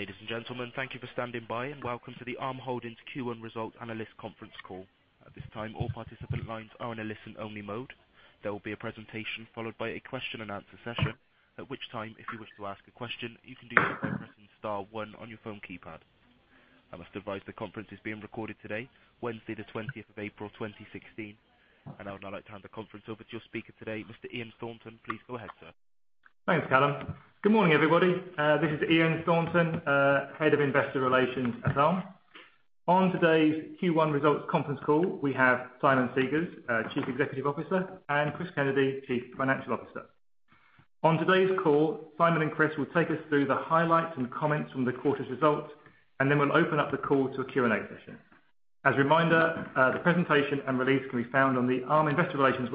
Ladies and gentlemen, thank you for standing by, welcome to the Arm Holdings Q1 Results Analyst Conference Call. At this time, all participant lines are in a listen-only mode. There will be a presentation followed by a question and answer session. At which time, if you wish to ask a question, you can do so by pressing star one on your phone keypad. I must advise the conference is being recorded today, Wednesday the 20th of April, 2016. I would now like to hand the conference over to your speaker today, Mr. Ian Thornton. Please go ahead, sir. Thanks, Callum. Good morning, everybody. This is Ian Thornton, Head of Investor Relations at Arm. On today's Q1 results conference call, we have Simon Segars, Chief Executive Officer, and Chris Kennedy, Chief Financial Officer. On today's call, Simon and Chris will take us through the highlights and comments from the quarter's results, then we'll open up the call to a Q&A session. As a reminder, the presentation and release can be found on the Arm Investor Relations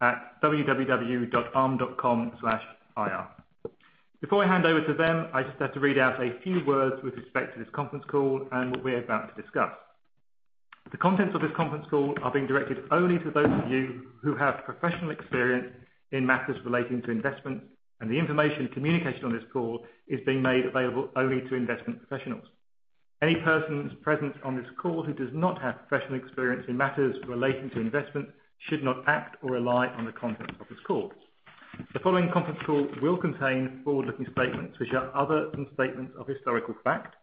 website at www.arm.com/ir. Before I hand over to them, I just have to read out a few words with respect to this conference call and what we're about to discuss. The contents of this conference call are being directed only to those of you who have professional experience in matters relating to investment, the information communicated on this call is being made available only to investment professionals. Any persons present on this call who does not have professional experience in matters relating to investment should not act or rely on the content of this call. The following conference call will contain forward-looking statements which are other than statements of historical fact,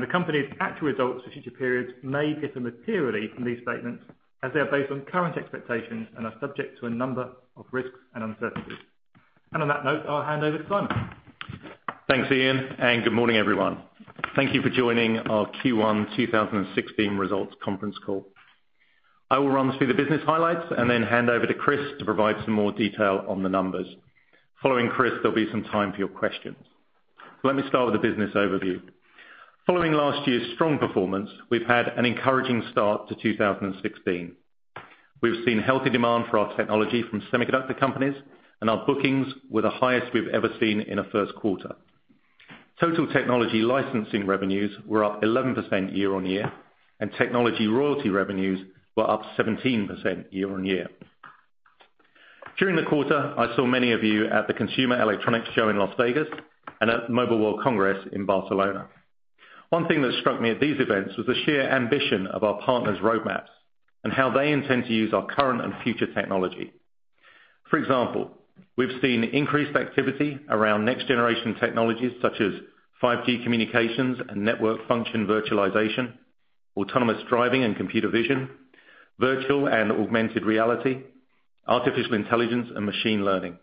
the company's actual results for future periods may differ materially from these statements, as they are based on current expectations and are subject to a number of risks and uncertainties. On that note, I'll hand over to Simon. Thanks, Ian. Good morning, everyone. Thank you for joining our Q1 2016 results conference call. I will run us through the business highlights, then hand over to Chris to provide some more detail on the numbers. Following Chris, there'll be some time for your questions. Let me start with the business overview. Following last year's strong performance, we've had an encouraging start to 2016. We've seen healthy demand for our technology from semiconductor companies, our bookings were the highest we've ever seen in a first quarter. Total technology licensing revenues were up 11% year-on-year, technology royalty revenues were up 17% year-on-year. During the quarter, I saw many of you at the Consumer Electronics Show in Las Vegas and at the Mobile World Congress in Barcelona. One thing that struck me at these events was the sheer ambition of our partners' roadmaps and how they intend to use our current and future technology. For example, we've seen increased activity around next-generation technologies such as 5G communications and Network Functions Virtualization, autonomous driving and computer vision, virtual and augmented reality, artificial intelligence and machine learning.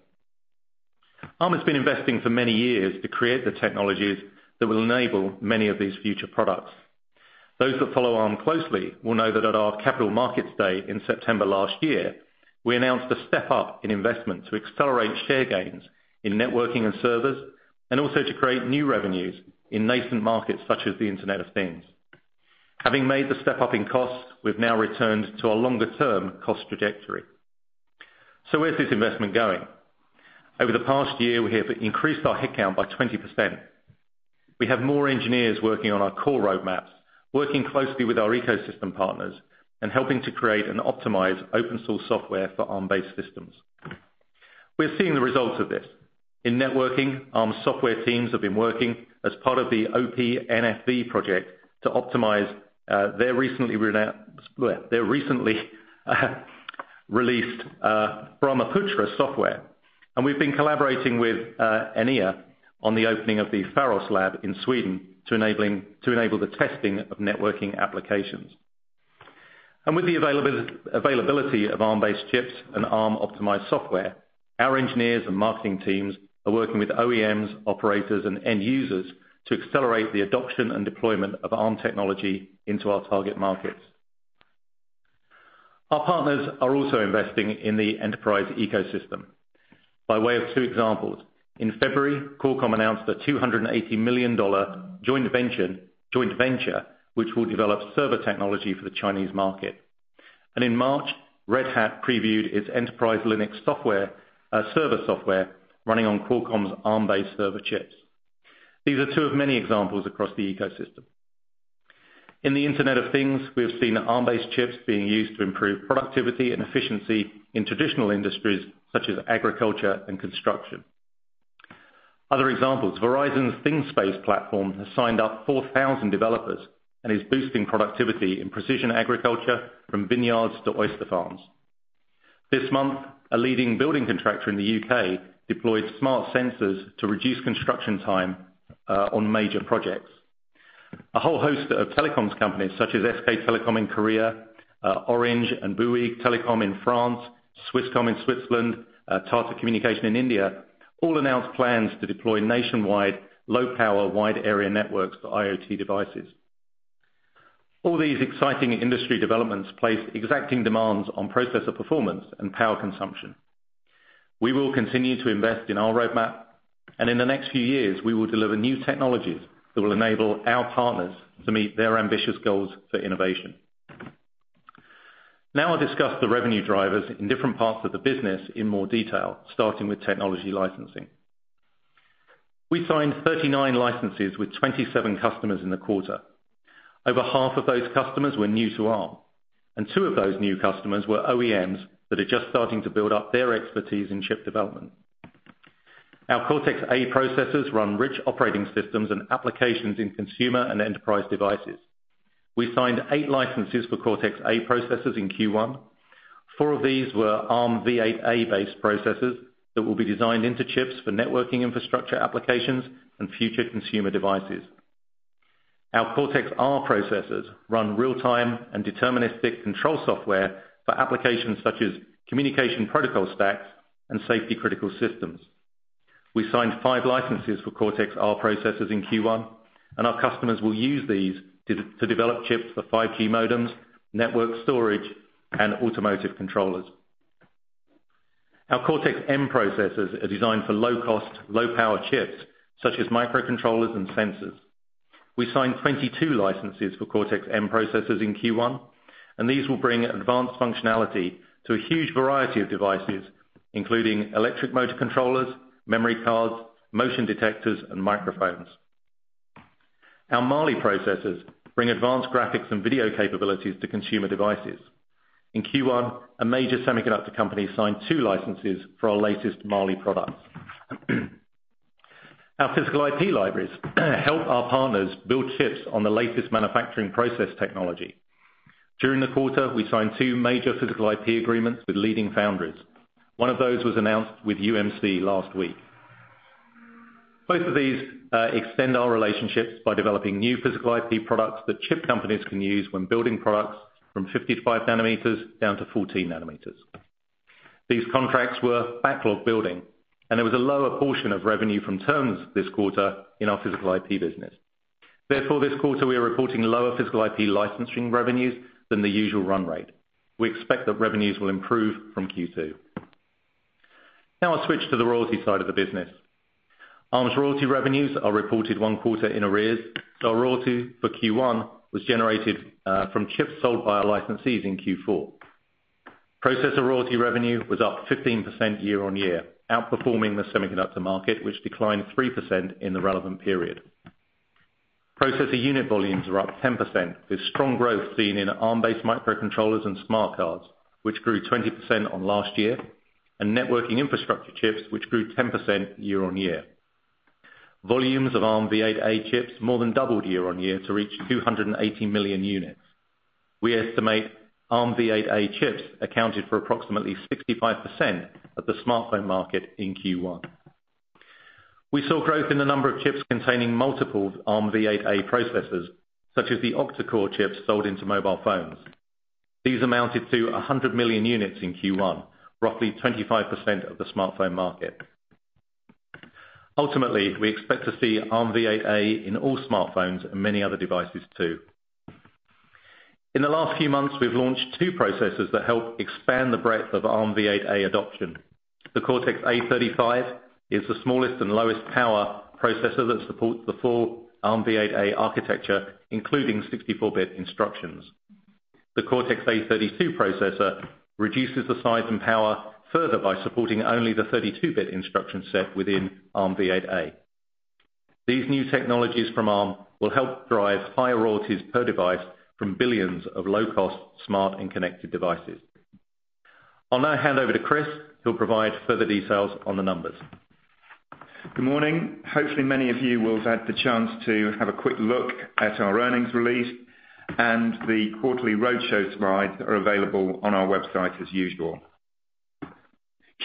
Arm has been investing for many years to create the technologies that will enable many of these future products. Those that follow Arm closely will know that at our capital markets day in September last year, we announced a step up in investment to accelerate share gains in networking and servers, and also to create new revenues in nascent markets such as the Internet of Things. Having made the step up in costs, we've now returned to our longer term cost trajectory. Where is this investment going? Over the past year, we have increased our headcount by 20%. We have more engineers working on our core roadmaps, working closely with our ecosystem partners and helping to create and optimize open source software for Arm-based systems. We're seeing the results of this. In networking, Arm software teams have been working as part of the OPNFV project to optimize their recently released Brahmaputra software. We've been collaborating with Enea on the opening of the Pharos lab in Sweden to enable the testing of networking applications. With the availability of Arm-based chips and Arm-optimized software, our engineers and marketing teams are working with OEMs, operators, and end users to accelerate the adoption and deployment of Arm technology into our target markets. Our partners are also investing in the enterprise ecosystem. By way of two examples, in February, Qualcomm announced a $280 million joint venture which will develop server technology for the Chinese market. In March, Red Hat previewed its Enterprise Linux server software running on Qualcomm's Arm-based server chips. These are two of many examples across the ecosystem. In the Internet of Things, we have seen Arm-based chips being used to improve productivity and efficiency in traditional industries such as agriculture and construction. Other examples, Verizon's ThingSpace platform has signed up 4,000 developers and is boosting productivity in precision agriculture from vineyards to oyster farms. This month, a leading building contractor in the U.K. deployed smart sensors to reduce construction time on major projects. A whole host of telecoms companies such as SK Telecom in Korea, Orange and Bouygues Telecom in France, Swisscom in Switzerland, Tata Communications in India, all announced plans to deploy nationwide, low power, wide area networks for IoT devices. All these exciting industry developments place exacting demands on processor performance and power consumption. We will continue to invest in our roadmap, and in the next few years, we will deliver new technologies that will enable our partners to meet their ambitious goals for innovation. Now I'll discuss the revenue drivers in different parts of the business in more detail, starting with technology licensing. We signed 39 licenses with 27 customers in the quarter. Over half of those customers were new to Arm, and two of those new customers were OEMs that are just starting to build up their expertise in chip development. Our Cortex-A processors run rich operating systems and applications in consumer and enterprise devices. We signed eight licenses for Cortex-A processors in Q1. Four of these were Armv8-A based processors that will be designed into chips for networking infrastructure applications and future consumer devices. Our Cortex-R processors run real-time and deterministic control software for applications such as communication protocol stacks and safety-critical systems. We signed five licenses for Cortex-R processors in Q1, and our customers will use these to develop chips for 5G modems, network storage, and automotive controllers. Our Cortex-M processors are designed for low-cost, low-power chips, such as microcontrollers and sensors. We signed 22 licenses for Cortex-M processors in Q1, and these will bring advanced functionality to a huge variety of devices, including electric motor controllers, memory cards, motion detectors, and microphones. Our Mali processors bring advanced graphics and video capabilities to consumer devices. In Q1, a major semiconductor company signed two licenses for our latest Mali products. Our Physical IP libraries help our partners build chips on the latest manufacturing process technology. During the quarter, we signed two major Physical IP agreements with leading foundries. One of those was announced with UMC last week. Both of these extend our relationships by developing new Physical IP products that chip companies can use when building products from 55 nanometers down to 14 nanometers. These contracts were backlog building, and there was a lower portion of revenue from terms this quarter in our Physical IP business. Therefore, this quarter, we are reporting lower Physical IP licensing revenues than the usual run rate. We expect that revenues will improve from Q2. I'll switch to the royalty side of the business. Arm's royalty revenues are reported one quarter in arrears. Our royalty for Q1 was generated from chips sold by our licensees in Q4. Processor royalty revenue was up 15% year-on-year, outperforming the semiconductor market, which declined 3% in the relevant period. Processor unit volumes were up 10%, with strong growth seen in Arm-based microcontrollers and smart cards, which grew 20% on last year, and networking infrastructure chips, which grew 10% year-on-year. Volumes of Armv8-A chips more than doubled year-on-year to reach 280 million units. We estimate Armv8-A chips accounted for approximately 65% of the smartphone market in Q1. We saw growth in the number of chips containing multiple Armv8-A processors, such as the Octa-core chips sold into mobile phones. These amounted to 100 million units in Q1, roughly 25% of the smartphone market. Ultimately, we expect to see Armv8-A in all smartphones and many other devices too. In the last few months, we've launched two processors that help expand the breadth of Armv8-A adoption. The Cortex-A35 is the smallest and lowest power processor that supports the full Armv8-A architecture, including 64-bit instructions. The Cortex-A32 processor reduces the size and power further by supporting only the 32-bit instruction set within Armv8-A. These new technologies from Arm will help drive higher royalties per device from billions of low-cost, smart, and connected devices. I'll now hand over to Chris, who'll provide further details on the numbers. Good morning. Hopefully, many of you will have had the chance to have a quick look at our earnings release and the quarterly roadshow slides that are available on our website as usual.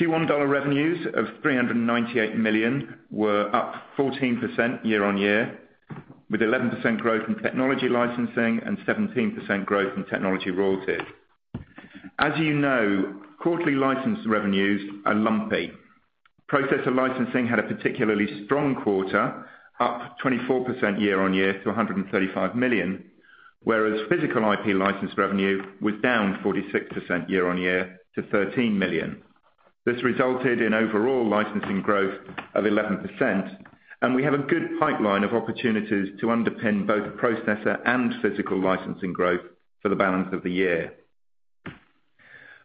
Q1 dollar revenues of $398 million were up 14% year-on-year, with 11% growth in technology licensing and 17% growth in technology royalties. As you know, quarterly license revenues are lumpy. Processor licensing had a particularly strong quarter, up 24% year-on-year to $135 million, whereas Physical IP license revenue was down 46% year-on-year to $13 million. This resulted in overall licensing growth of 11%, and we have a good pipeline of opportunities to underpin both processor and physical licensing growth for the balance of the year.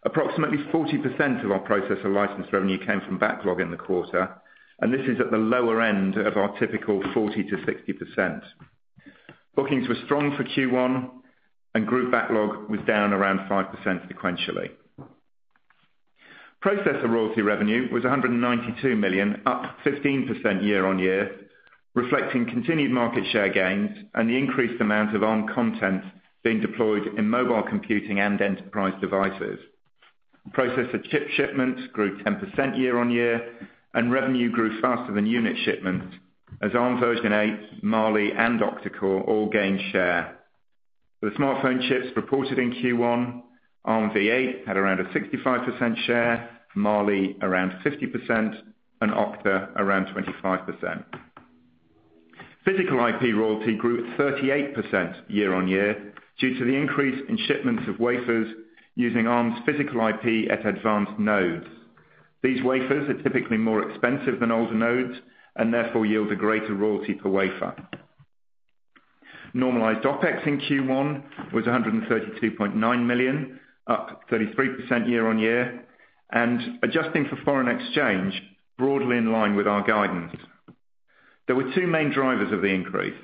Approximately 40% of our processor license revenue came from backlog in the quarter, and this is at the lower end of our typical 40%-60%. Bookings were strong for Q1, and group backlog was down around 5% sequentially. Processor royalty revenue was $192 million, up 15% year-on-year, reflecting continued market share gains and the increased amount of Arm content being deployed in mobile computing and enterprise devices. Processor chip shipments grew 10% year-on-year, and revenue grew faster than unit shipments as Armv8, Mali, and Octa-core all gained share. For the smartphone chips reported in Q1, Armv8 had around a 65% share, Mali around 50%, and Octa around 25%. Physical IP royalty grew 38% year-on-year due to the increase in shipments of wafers using Arm's Physical IP at advanced nodes. These wafers are typically more expensive than older nodes and therefore yield a greater royalty per wafer. Normalized OpEx in Q1 was 132.9 million, up 33% year-on-year, and adjusting for foreign exchange, broadly in line with our guidance. There were two main drivers of the increase.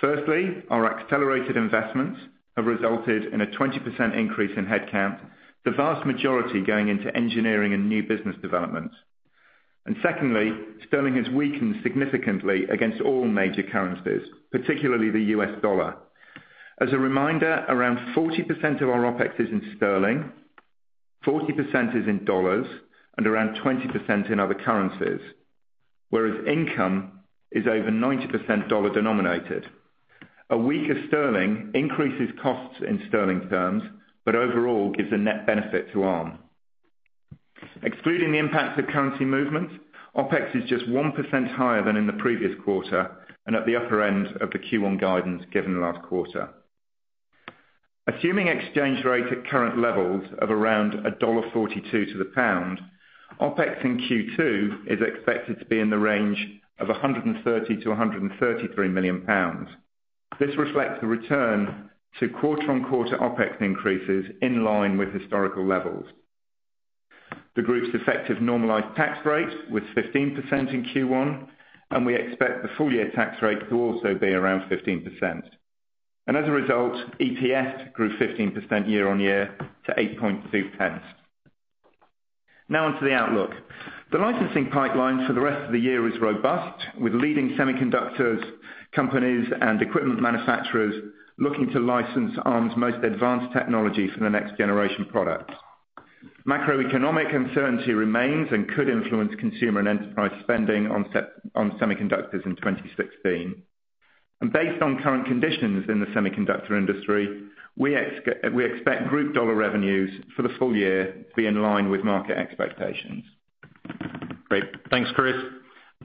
Firstly, our accelerated investments have resulted in a 20% increase in headcount, the vast majority going into engineering and new business developments. Secondly, sterling has weakened significantly against all major currencies, particularly the U.S. dollar. As a reminder, around 40% of our OpEx is in sterling, 40% is in dollars, and around 20% in other currencies, whereas income is over 90% dollar denominated. A weaker sterling increases costs in sterling terms, but overall gives a net benefit to Arm. Excluding the impact of currency movements, OpEx is just 1% higher than in the previous quarter and at the upper end of the Q1 guidance given last quarter. Assuming exchange rates at current levels of around $1.42 to the pound, OpEx in Q2 is expected to be in the range of 130 million-133 million pounds. This reflects the return to quarter-on-quarter OpEx increases in line with historical levels. The group's effective normalized tax rate was 15% in Q1, and we expect the full year tax rate to also be around 15%. As a result, EPS grew 15% year-on-year to 0.082. Now onto the outlook. The licensing pipeline for the rest of the year is robust, with leading semiconductors companies and equipment manufacturers looking to license Arm's most advanced technology for the next generation products. Macroeconomic uncertainty remains and could influence consumer and enterprise spending on semiconductors in 2016. Based on current conditions in the semiconductor industry, we expect group U.S. dollar revenues for the full year to be in line with market expectations. Great. Thanks, Chris.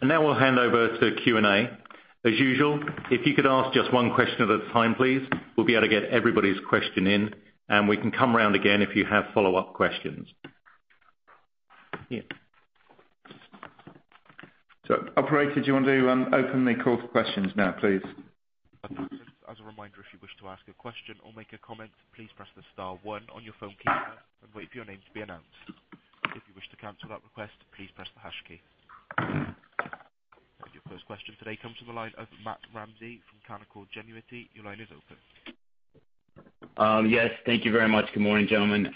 Now we'll hand over to Q&A. As usual, if you could ask just one question at a time, please, we will be able to get everybody's question in, and we can come round again if you have follow-up questions. Yeah. Operator, do you want to open the call for questions now, please? As a reminder, if you wish to ask a question or make a comment, please press the star one on your phone keypad and wait for your name to be announced. If you wish to cancel that request, please press the hash key. Your first question today comes from the line of Matt Ramsay from Canaccord Genuity. Your line is open. Yes. Thank you very much. Good morning, gentlemen.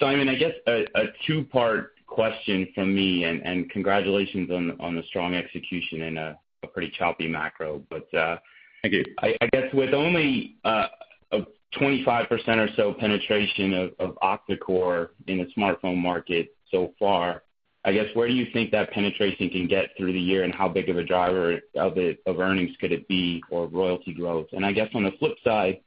Simon, I guess a two-part question from me. Congratulations on the strong execution in a pretty choppy macro. Thank you. I guess with only a 25% or so penetration of Octa-core in the smartphone market so far, I guess where do you think that penetration can get through the year and how big of a driver of earnings could it be or royalty growth? I guess on the flip side,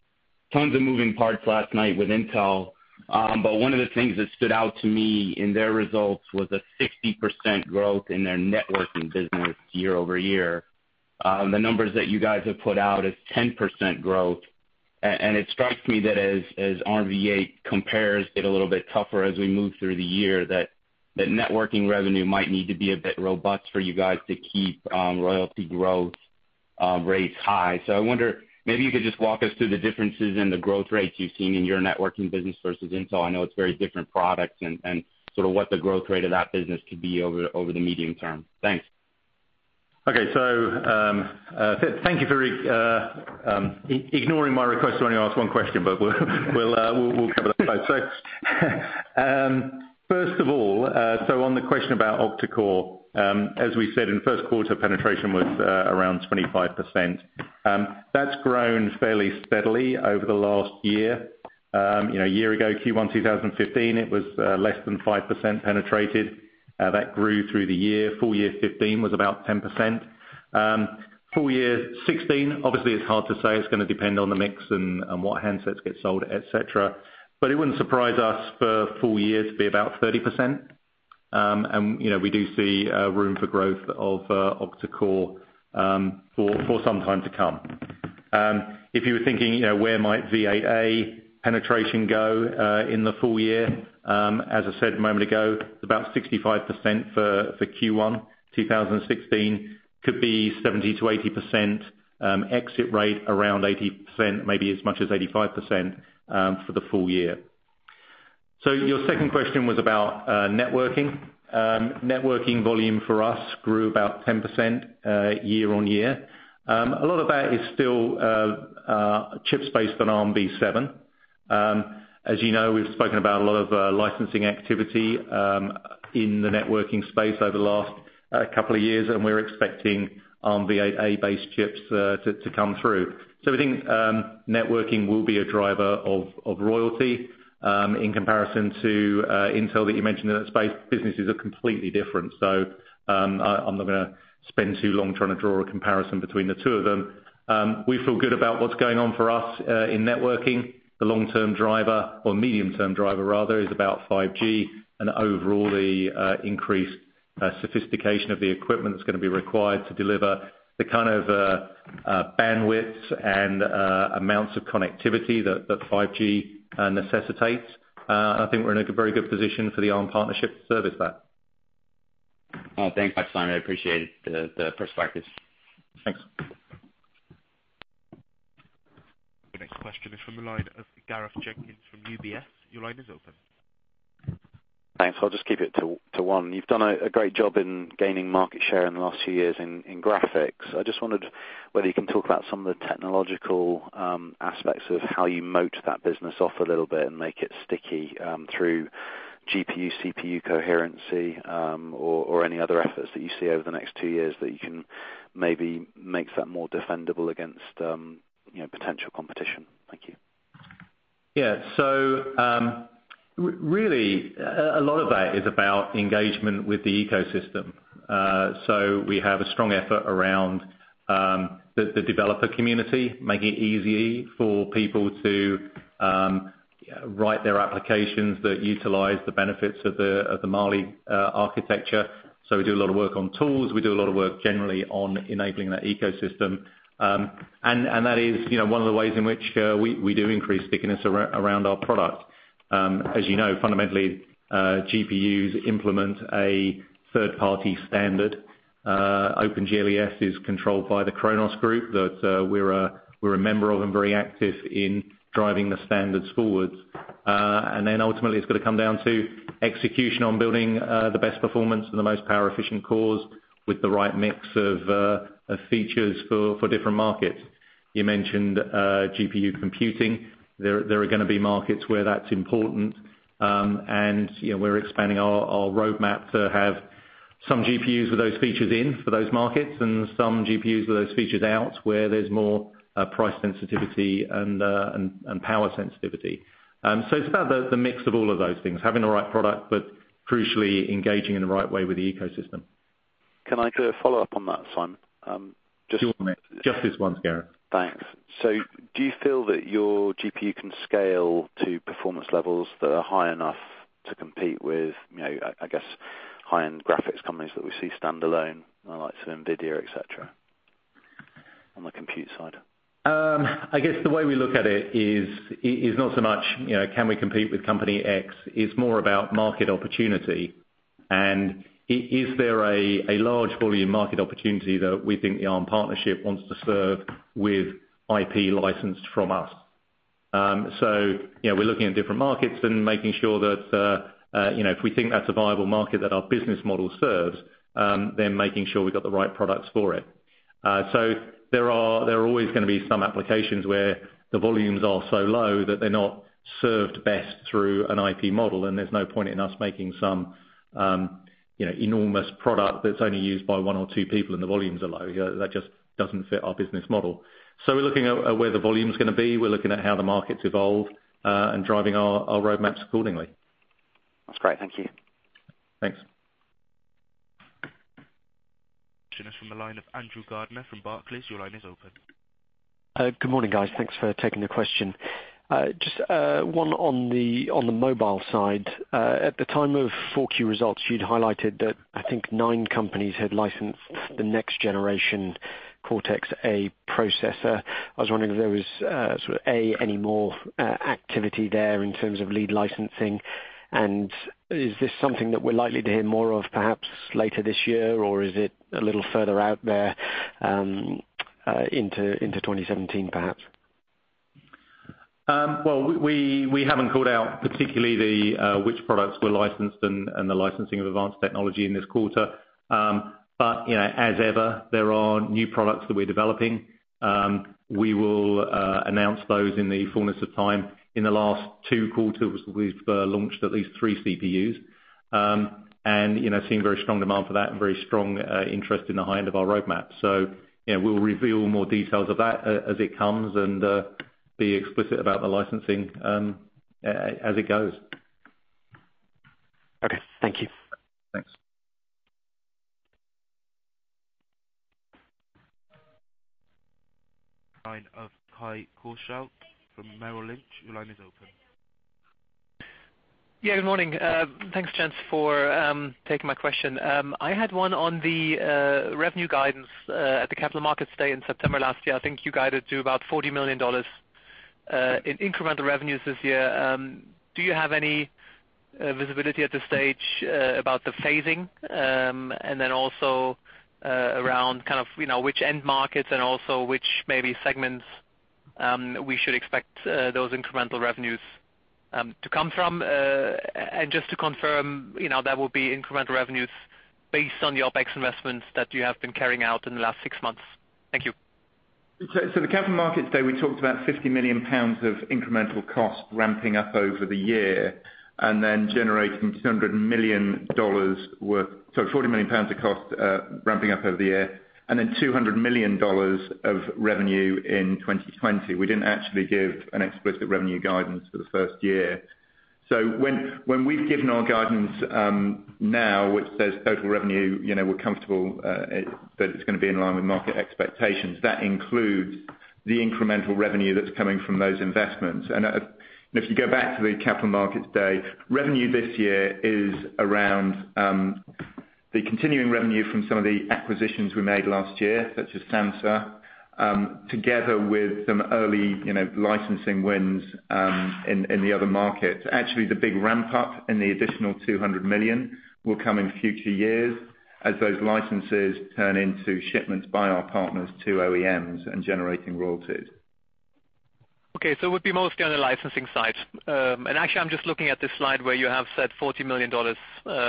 tons of moving parts last night with Intel, but one of the things that stood out to me in their results was a 60% growth in their networking business year-over-year. The numbers that you guys have put out is 10% growth. It strikes me that as Armv8 compares it a little bit tougher as we move through the year, that networking revenue might need to be a bit robust for you guys to keep royalty growth rates high. I wonder, maybe you could just walk us through the differences in the growth rates you've seen in your networking business versus Intel. I know it's very different products and sort of what the growth rate of that business could be over the medium term. Thanks. Okay. Thank you for ignoring my request to only ask one question, we'll cover that slide. First of all, so on the question about Octa-core, as we said in the first quarter, penetration was around 25%. That's grown fairly steadily over the last year. A year ago, Q1 2015, it was less than 5% penetrated. That grew through the year. Full year 2015 was about 10%. Full year 2016, obviously, it's hard to say. It's going to depend on the mix and what handsets get sold, et cetera. It wouldn't surprise us for full year to be about 30%. We do see room for growth of Octa-core for some time to come. If you were thinking where might Armv8-A penetration go in the full year, as I said a moment ago, about 65% for Q1 2016. Could be 70%-80%, exit rate around 80%, maybe as much as 85% for the full year. Your second question was about networking. Networking volume for us grew about 10% year-on-year. A lot of that is still chips based on Armv7. As you know, we've spoken about a lot of licensing activity in the networking space over the last couple of years, and we're expecting Armv8-A based chips to come through. We think networking will be a driver of royalty in comparison to Intel that you mentioned in that space. Businesses are completely different. I'm not going to spend too long trying to draw a comparison between the two of them. We feel good about what's going on for us in networking. The long-term driver, or medium-term driver rather, is about 5G and overall the increased sophistication of the equipment that's going to be required to deliver the kind of bandwidth and amounts of connectivity that 5G necessitates. I think we're in a very good position for the Arm partnership to service that. Thanks so much, Simon. I appreciate the perspectives. Thanks. Question is from the line of Gareth Jenkins from UBS. Your line is open. Thanks. I'll just keep it to one. You've done a great job in gaining market share in the last two years in graphics. I just wondered whether you can talk about some of the technological aspects of how you moat that business off a little bit and make it sticky through GPU, CPU coherency, or any other efforts that you see over the next two years that you can maybe make that more defendable against potential competition. Thank you. Yeah. Really, a lot of that is about engagement with the ecosystem. We have a strong effort around the developer community, making it easy for people to write their applications that utilize the benefits of the Mali architecture. We do a lot of work on tools. We do a lot of work generally on enabling that ecosystem. That is one of the ways in which we do increase stickiness around our product. As you know, fundamentally, GPUs implement a third-party standard. OpenGL ES is controlled by the Khronos Group that we're a member of and very active in driving the standards forwards. Ultimately, it's got to come down to execution on building the best performance and the most power-efficient cores with the right mix of features for different markets. You mentioned GPU computing. There are going to be markets where that's important. We're expanding our roadmap to have some GPUs with those features in for those markets and some GPUs with those features out, where there's more price sensitivity and power sensitivity. It's about the mix of all of those things. Having the right product, but crucially engaging in the right way with the ecosystem. Can I get a follow-up on that, Simon? Sure, mate. Just this once, Gareth. Thanks. Do you feel that your GPU can scale to performance levels that are high enough to compete with high-end graphics companies that we see standalone, the likes of Nvidia, et cetera, on the compute side? I guess the way we look at it is not so much can we compete with company X, it's more about market opportunity, and is there a large volume market opportunity that we think the Arm partnership wants to serve with IP licensed from us? We're looking at different markets and making sure that if we think that's a viable market that our business model serves, then making sure we've got the right products for it. There are always going to be some applications where the volumes are so low that they're not served best through an IP model, and there's no point in us making some enormous product that's only used by one or two people and the volumes are low. That just doesn't fit our business model. We're looking at where the volume's going to be, we're looking at how the market's evolved, and driving our roadmaps accordingly. That's great. Thank you. Thanks. From the line of Andrew Gardiner from Barclays, your line is open. Good morning, guys. Thanks for taking the question. Just one on the mobile side. At the time of 4Q results, you'd highlighted that I think nine companies had licensed the next generation Cortex-A processor. I was wondering if there was, A, any more activity there in terms of lead licensing, and is this something that we're likely to hear more of perhaps later this year, or is it a little further out there into 2017, perhaps? We haven't called out particularly which products were licensed and the licensing of advanced technology in this quarter. As ever, there are new products that we're developing. We will announce those in the fullness of time. In the last two quarters, we've launched at least three CPUs. Seeing very strong demand for that and very strong interest in the high end of our roadmap. We'll reveal more details of that as it comes and be explicit about the licensing as it goes. Okay. Thank you. Thanks. Line of Kai-Uwe Kessel from Merrill Lynch. Your line is open. Yeah, good morning. Thanks, gents, for taking my question. I had one on the revenue guidance at the Capital Markets Day in September last year. I think you guided to about GBP 40 million in incremental revenues this year. Do you have any visibility at this stage about the phasing? Also around which end markets and also which maybe segments we should expect those incremental revenues to come from? Just to confirm, that will be incremental revenues based on the OpEx investments that you have been carrying out in the last six months. Thank you. The Capital Markets Day, we talked about 50 million pounds of incremental cost ramping up over the year, Sorry, GBP 40 million of cost ramping up over the year, and then generating $200 million of revenue in 2020. We didn't actually give an explicit revenue guidance for the first year. When we've given our guidance now, which says total revenue, we're comfortable that it's going to be in line with market expectations. That includes the incremental revenue that's coming from those investments. If you go back to the Capital Markets Day, revenue this year is around the continuing revenue from some of the acquisitions we made last year, such as Sansa Security, together with some early licensing wins in the other markets. Actually, the big ramp-up in the additional $200 million will come in future years as those licenses turn into shipments by our partners to OEMs and generating royalties. Okay, it would be mostly on the licensing side. Actually, I'm just looking at the slide where you have said GBP 40 million,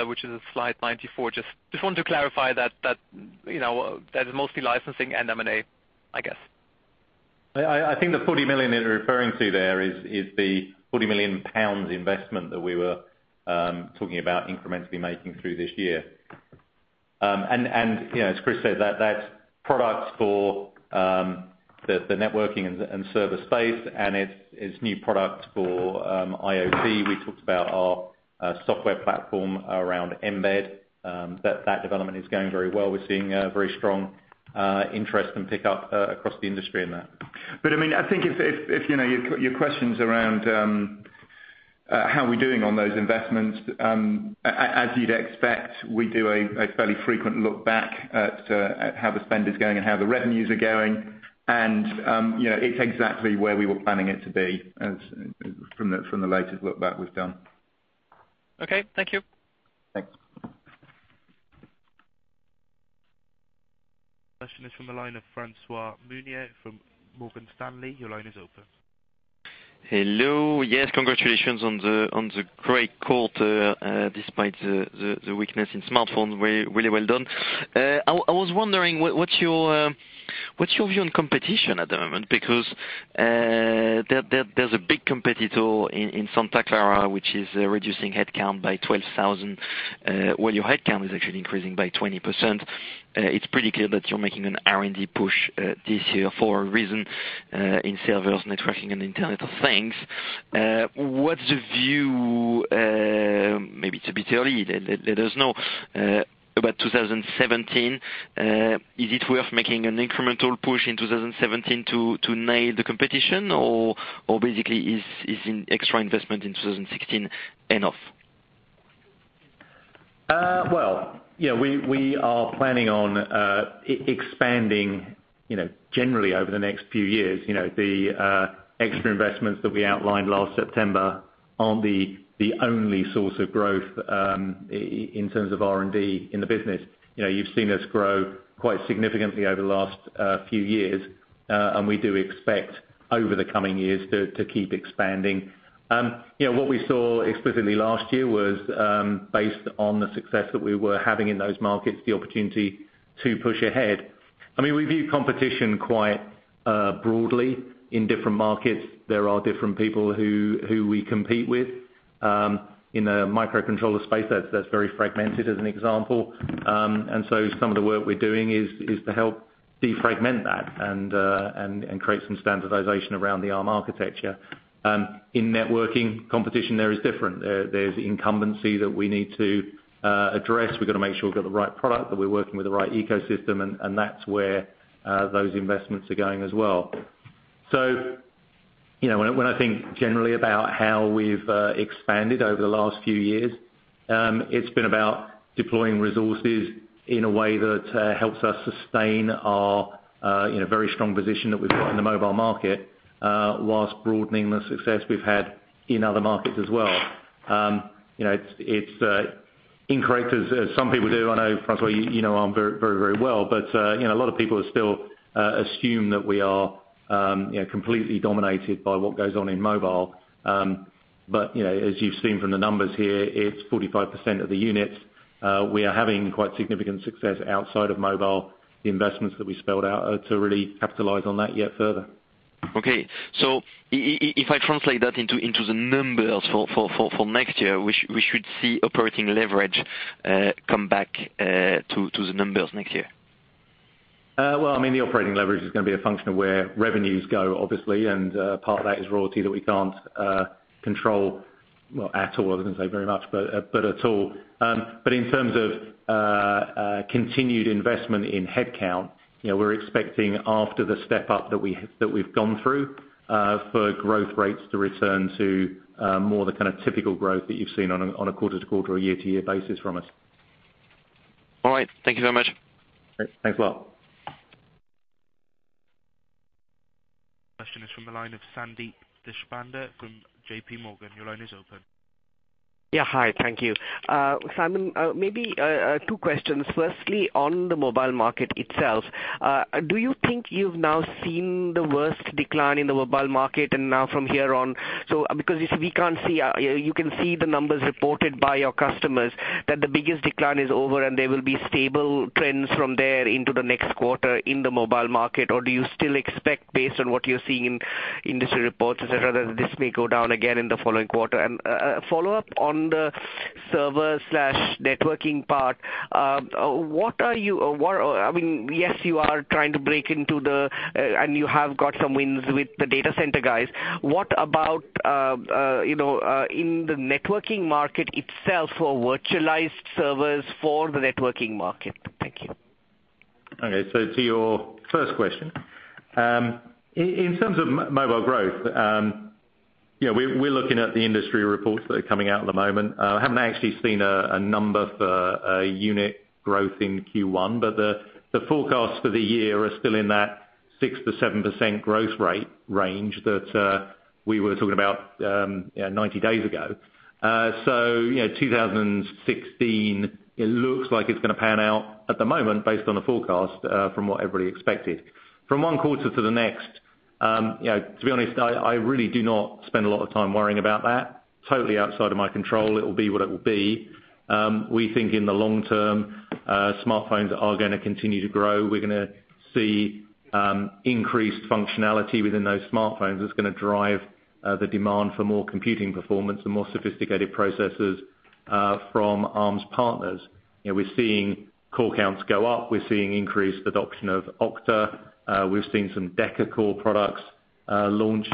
which is slide 94. Just wanted to clarify that is mostly licensing and M&A, I guess. I think the 40 million you're referring to there is the 40 million pounds investment that we were talking about incrementally making through this year. As Chris said, that's products for the networking and server space and it's new product for IoT. We talked about our software platform around mbed. That development is going very well. We're seeing very strong interest and pickup across the industry in that. I think if your question's around how we're doing on those investments, as you'd expect, we do a fairly frequent look back at how the spend is going and how the revenues are going and it's exactly where we were planning it to be from the latest look back we've done. Okay. Thank you. Thanks. Question is from the line of Francois Meunier from Morgan Stanley. Your line is open. Hello. Yes, congratulations on the great quarter despite the weakness in smartphones. Really well done. I was wondering, what's your view on competition at the moment? There's a big competitor in Santa Clara, which is reducing headcount by 12,000, while your headcount is actually increasing by 20%. It's pretty clear that you're making an R&D push this year for a reason in servers, networking, and Internet of Things. What's the view, maybe it's a bit early, let us know, about 2017? Is it worth making an incremental push in 2017 to nail the competition, or basically is extra investment in 2016 enough? We are planning on expanding generally over the next few years. The extra investments that we outlined last September aren't the only source of growth in terms of R&D in the business. You've seen us grow quite significantly over the last few years, we do expect over the coming years to keep expanding. What we saw explicitly last year was based on the success that we were having in those markets, the opportunity to push ahead. We view competition quite broadly. In different markets, there are different people who we compete with. In the microcontroller space, that's very fragmented, as an example. Some of the work we're doing is to help defragment that and create some standardization around the Arm architecture. In networking competition, there is different. There's incumbency that we need to address. We've got to make sure we've got the right product, that we're working with the right ecosystem, and that's where those investments are going as well. When I think generally about how we've expanded over the last few years, it's been about deploying resources in a way that helps us sustain our very strong position that we've got in the mobile market whilst broadening the success we've had in other markets as well. It's incorrect, as some people do, I know, Francois, you know Arm very well, a lot of people still assume that we are completely dominated by what goes on in mobile. As you've seen from the numbers here, it's 45% of the units. We are having quite significant success outside of mobile. The investments that we spelled out are to really capitalize on that yet further. If I translate that into the numbers for next year, we should see operating leverage come back to the numbers next year. The operating leverage is going to be a function of where revenues go, obviously, and part of that is royalty that we can't control, at all. I was going to say very much, but at all. In terms of continued investment in headcount, we're expecting after the step up that we've gone through, for growth rates to return to more the kind of typical growth that you've seen on a quarter-to-quarter or year-to-year basis from us. All right. Thank you so much. Great. Thanks, Francois. Question is from the line of Sandeep Deshpande from J.P. Morgan. Your line is open. Yeah. Hi. Thank you. Simon, maybe two questions. Firstly, on the mobile market itself, do you think you've now seen the worst decline in the mobile market and now from here on, you can see the numbers reported by your customers that the biggest decline is over and there will be stable trends from there into the next quarter in the mobile market, or do you still expect, based on what you're seeing in industry reports, et cetera, that this may go down again in the following quarter? A follow-up on the server/networking part. Yes. You have got some wins with the data center guys. What about in the networking market itself for virtualized servers, for the networking market? Thank you. Okay. To your first question, in terms of mobile growth, we're looking at the industry reports that are coming out at the moment. Haven't actually seen a number for unit growth in Q1, but the forecasts for the year are still in that 6%-7% growth rate range that we were talking about 90 days ago. 2016, it looks like it's going to pan out at the moment based on the forecast, from what everybody expected. From one quarter to the next, to be honest, I really do not spend a lot of time worrying about that. Totally outside of my control. It will be what it will be. We think in the long term, smartphones are going to continue to grow. We're going to see increased functionality within those smartphones that's going to drive the demand for more computing performance and more sophisticated processes from Arm's partners. We're seeing core counts go up. We're seeing increased adoption of Octa. We've seen some deca-core products launched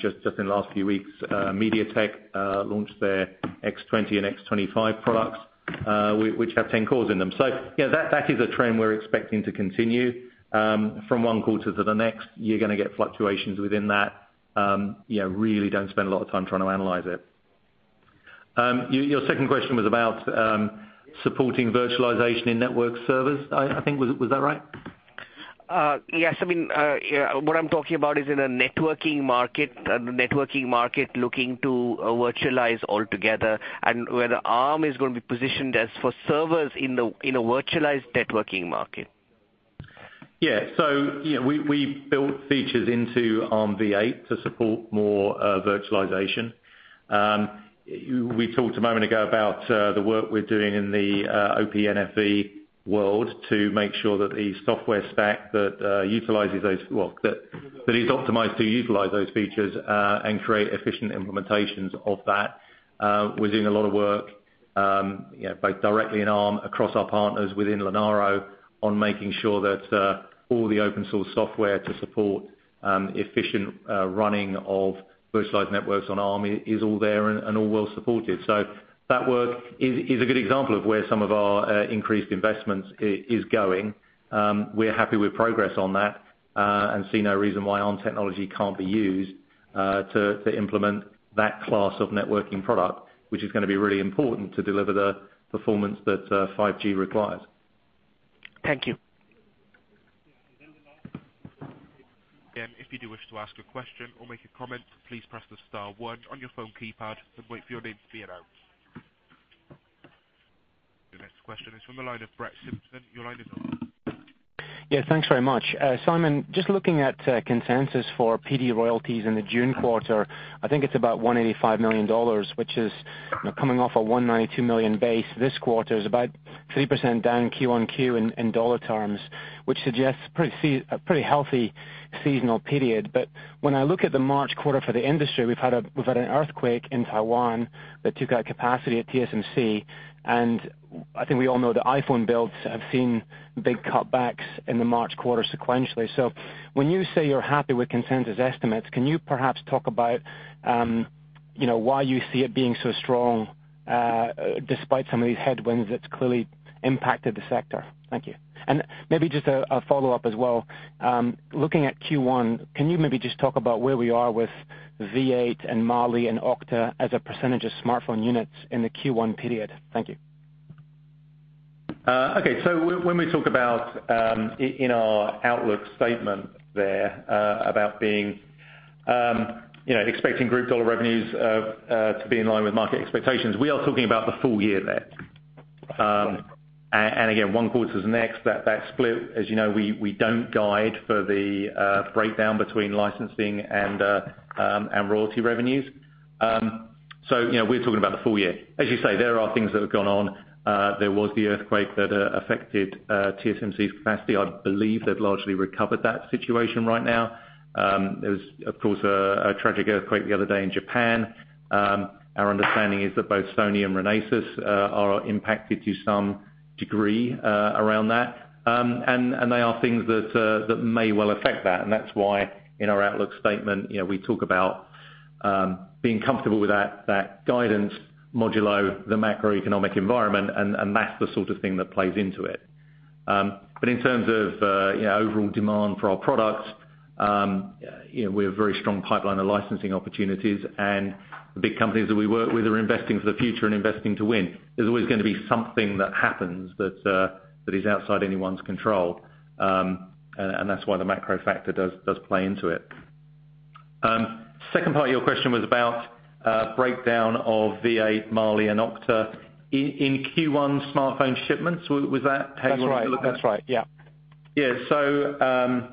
just in the last few weeks. MediaTek launched their X20 and X25 products, which have 10 cores in them. That is a trend we're expecting to continue. From one quarter to the next, you're going to get fluctuations within that. Really don't spend a lot of time trying to analyze it. Your second question was about supporting virtualization in network servers, I think. Was that right? Yes. What I'm talking about is in a networking market, looking to virtualize altogether, and whether Arm is going to be positioned as for servers in a virtualized networking market. We built features into Armv8 to support more virtualization. We talked a moment ago about the work we're doing in the OPNFV world to make sure that the software stack that is optimized to utilize those features and create efficient implementations of that. We're doing a lot of work, both directly in Arm, across our partners within Linaro, on making sure that all the open source software to support efficient running of virtualized networks on Arm is all there and all well supported. That work is a good example of where some of our increased investment is going. We're happy with progress on that, and see no reason why Arm technology can't be used to implement that class of networking product, which is going to be really important to deliver the performance that 5G requires. Thank you. Again, if you do wish to ask a question or make a comment, please press the star one on your phone keypad and wait for your name to be announced. The next question is from the line of Brett Simpson. Your line is open. Thanks very much. Simon, just looking at consensus for PD royalties in the June quarter, I think it's about $185 million, which is coming off a $192 million base this quarter, is about 3% down Q1Q in dollar terms, which suggests a pretty healthy seasonal period. When I look at the March quarter for the industry, we've had an earthquake in Taiwan that took out capacity at TSMC, and I think we all know the iPhone builds have seen big cutbacks in the March quarter sequentially. When you say you're happy with consensus estimates, can you perhaps talk about why you see it being so strong despite some of these headwinds that's clearly impacted the sector? Thank you. Maybe just a follow-up as well. Looking at Q1, can you maybe just talk about where we are with v8 and Mali and Octa as a percentage of smartphone units in the Q1 period? Thank you. Okay. When we talk about in our outlook statement there about expecting group dollar revenues to be in line with market expectations, we are talking about the full year there. Again, one quarter is next. That split, as you know, we don't guide for the breakdown between licensing and royalty revenues. We're talking about the full year. As you say, there are things that have gone on. There was the earthquake that affected TSMC's capacity. I believe they've largely recovered that situation right now. There was, of course, a tragic earthquake the other day in Japan. Our understanding is that both Sony and Renesas are impacted to some degree around that. They are things that may well affect that. That's why in our outlook statement, we talk about being comfortable with that guidance modulo the macroeconomic environment, that's the sort of thing that plays into it. In terms of overall demand for our products, we have a very strong pipeline of licensing opportunities and the big companies that we work with are investing for the future and investing to win. There's always going to be something that happens that is outside anyone's control. That's why the macro factor does play into it. Second part of your question was about breakdown of v8, Mali, and Octa in Q1 smartphone shipments. Was that how you wanted to look at it? That's right. Yeah. Yeah.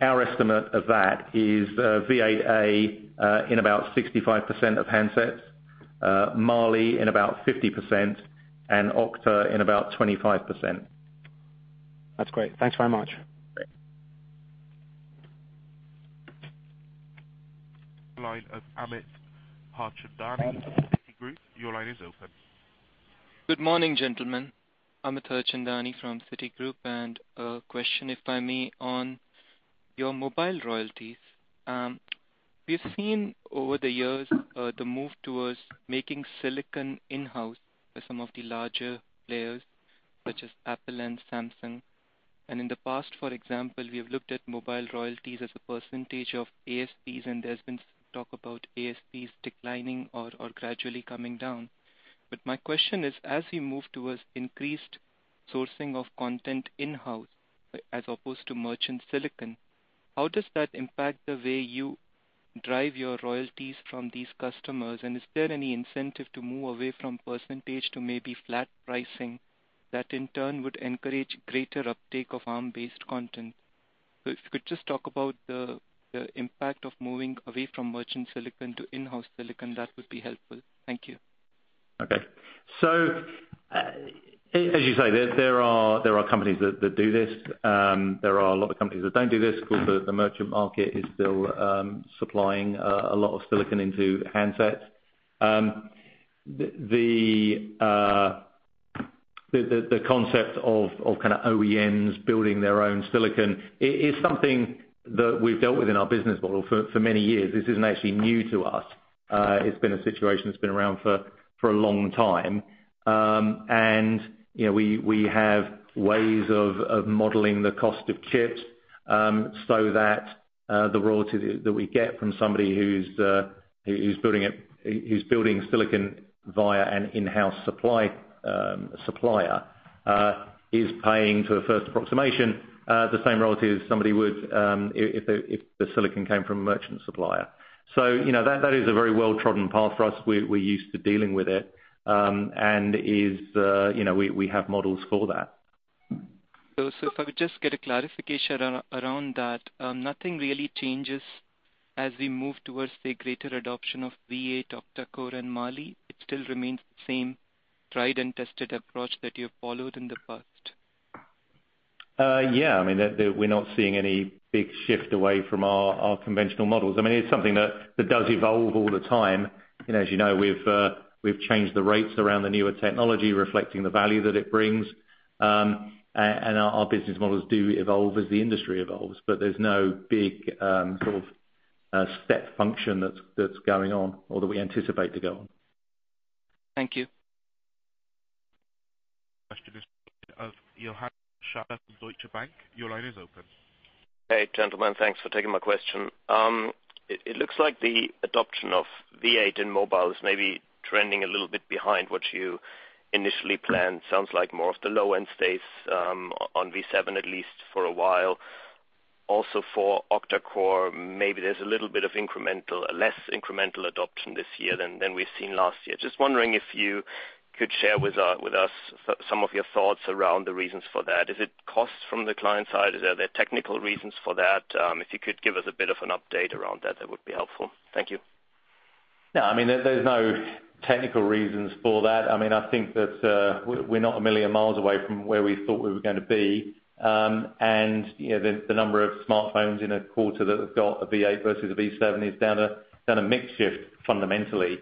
Our estimate of that is v8A in about 65% of handsets, Mali in about 50%, and Octa in about 25%. That's great. Thanks very much. Great. Line of Amit Harchandani, Citigroup. Your line is open. Good morning, gentlemen. Amit Harchandani from Citigroup, a question, if I may, on your mobile royalties. We've seen over the years the move towards making silicon in-house by some of the larger players such as Apple and Samsung. In the past, for example, we have looked at mobile royalties as a % of ASPs, and there's been talk about ASPs declining or gradually coming down. My question is, as we move towards increased sourcing of content in-house as opposed to merchant silicon. How does that impact the way you drive your royalties from these customers? Is there any incentive to move away from % to maybe flat pricing that in turn would encourage greater uptake of Arm-based content? If you could just talk about the impact of moving away from merchant silicon to in-house silicon, that would be helpful. Thank you. As you say, there are companies that do this. There are a lot of companies that don't do this because the merchant market is still supplying a lot of silicon into handsets. The concept of kind of OEMs building their own silicon is something that we've dealt with in our business model for many years. This isn't actually new to us. It's been a situation that's been around for a long time. We have ways of modeling the cost of chips, so that the royalty that we get from somebody who's building silicon via an in-house supplier is paying to a first approximation, the same royalty as somebody would if the silicon came from a merchant supplier. That is a very well-trodden path for us. We're used to dealing with it. We have models for that. If I could just get a clarification around that. Nothing really changes as we move towards the greater adoption of v8, octa-core, and Mali? It still remains the same tried and tested approach that you've followed in the past. Yeah. We're not seeing any big shift away from our conventional models. It's something that does evolve all the time. As you know, we've changed the rates around the newer technology, reflecting the value that it brings. Our business models do evolve as the industry evolves, but there's no big sort of step function that's going on or that we anticipate to go on. Thank you. Question is of Johannes Schaller of Deutsche Bank. Your line is open. Hey, gentlemen. Thanks for taking my question. It looks like the adoption of v8 in mobile is maybe trending a little bit behind what you initially planned. Sounds like most of the low end stays on v7, at least for a while. Also for octa-core, maybe there's a little bit of less incremental adoption this year than we've seen last year. Just wondering if you could share with us some of your thoughts around the reasons for that. Is it costs from the client side? Is there technical reasons for that? If you could give us a bit of an update around that would be helpful. Thank you. No, there's no technical reasons for that. I think that we're not a million miles away from where we thought we were going to be. The number of smartphones in a quarter that have got a v8 versus a v7 is down a mix shift fundamentally.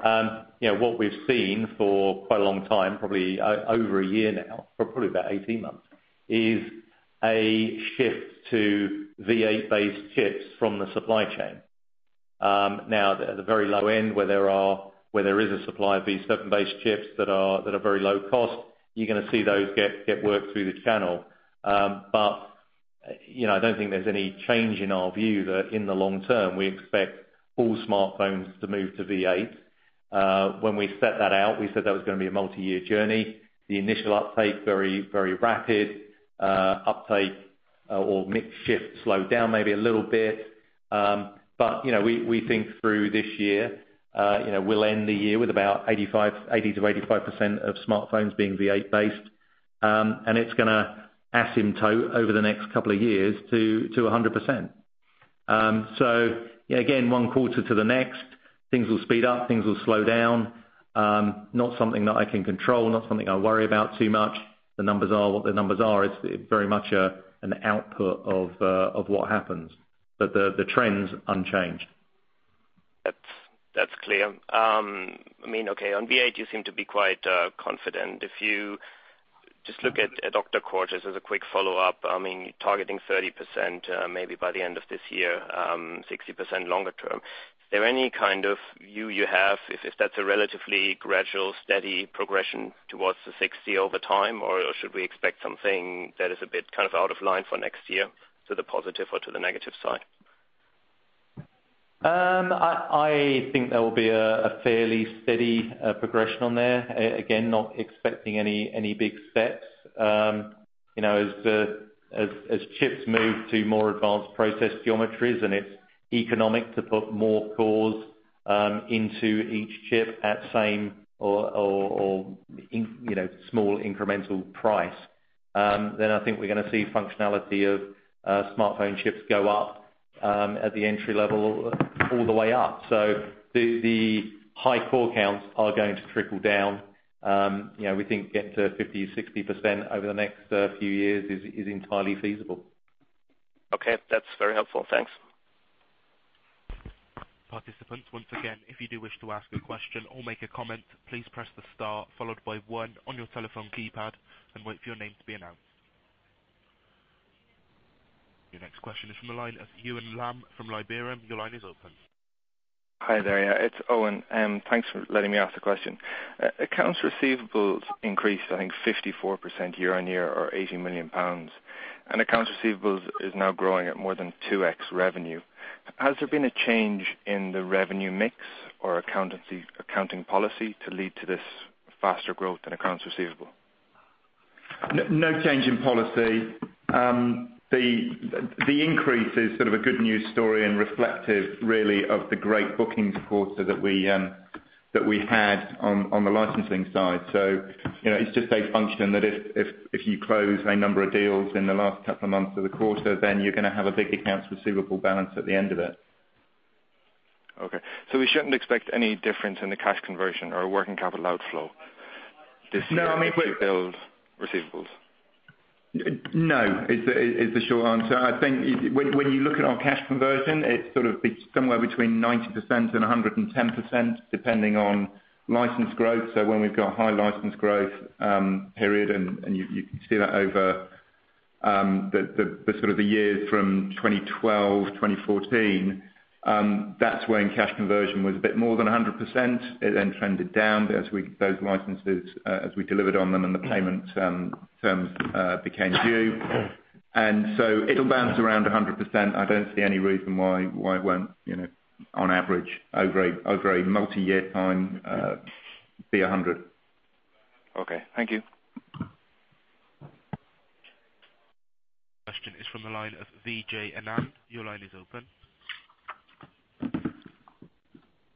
What we've seen for quite a long time, probably over a year now, or probably about 18 months, is a shift to v8 based chips from the supply chain. Now at the very low end, where there is a supply of v7 based chips that are very low cost, you're going to see those get worked through the channel. I don't think there's any change in our view that in the long term, we expect all smartphones to move to v8. When we set that out, we said that was going to be a multi-year journey. The initial uptake was very rapid. Uptake or mix shift slowed down maybe a little bit. We think through this year, we'll end the year with about 80%-85% of smartphones being v8 based. It's going to asymptote over the next couple of years to 100%. Again, one quarter to the next, things will speed up, things will slow down. Not something that I can control, not something I worry about too much. The numbers are what the numbers are. It's very much an output of what happens. The trend's unchanged. That's clear. On Armv8, you seem to be quite confident. If you just look at octa-cores as a quick follow-up, targeting 30% maybe by the end of this year, 60% longer term. Is there any kind of view you have if that's a relatively gradual, steady progression towards the 60% over time? Or should we expect something that is a bit kind of out of line for next year to the positive or to the negative side? I think there will be a fairly steady progression on there. Again, not expecting any big steps. As chips move to more advanced process geometries and it's economic to put more cores into each chip at same or small incremental price, then I think we're going to see functionality of smartphone chips go up at the entry level all the way up. The high core counts are going to trickle down. We think getting to 50%, 60% over the next few years is entirely feasible. Okay. That's very helpful. Thanks. Participants, once again, if you do wish to ask a question or make a comment, please press the star followed by one on your telephone keypad and wait for your name to be announced. Your next question is from the line of Euan Lamb from Liberum. Your line is open. Hi there. It's Euan. Thanks for letting me ask the question. Accounts receivables increased, I think 54% year-on-year or 18 million pounds. Accounts receivables is now growing at more than 2x revenue. Has there been a change in the revenue mix or accounting policy to lead to this faster growth in accounts receivable? No change in policy. The increase is sort of a good news story and reflective really of the great bookings quarter that we had on the licensing side. It's just a function that if you close a number of deals in the last couple of months of the quarter, then you're going to have a big accounts receivable balance at the end of it. Okay. We shouldn't expect any difference in the cash conversion or working capital outflow this year. No, I mean. with billed receivables? No, is the short answer. I think when you look at our cash conversion, it's sort of somewhere between 90% and 110%, depending on license growth. When we've got high license growth period, and you can see that over the sort of the years from 2012, 2014, that's when cash conversion was a bit more than 100%. It trended down as we delivered on those licenses and the payment terms became due. It'll bounce around 100%. I don't see any reason why it won't, on average, over a multi-year time, be 100%. Okay. Thank you. Question is from the line of Vijay Anand. Your line is open.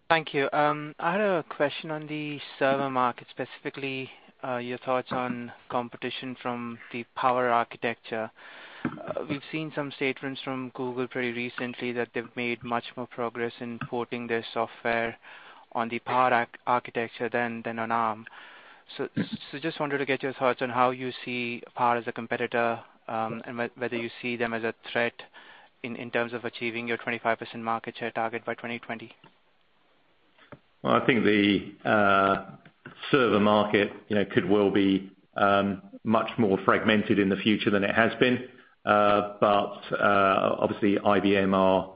Thank you. I had a question on the server market, specifically, your thoughts on competition from the Power Architecture. We've seen some statements from Google pretty recently that they've made much more progress in porting their software on the Power Architecture than on Arm. Just wanted to get your thoughts on how you see Power as a competitor, and whether you see them as a threat in terms of achieving your 25% market share target by 2020. Well, I think the server market could well be much more fragmented in the future than it has been. Obviously IBM are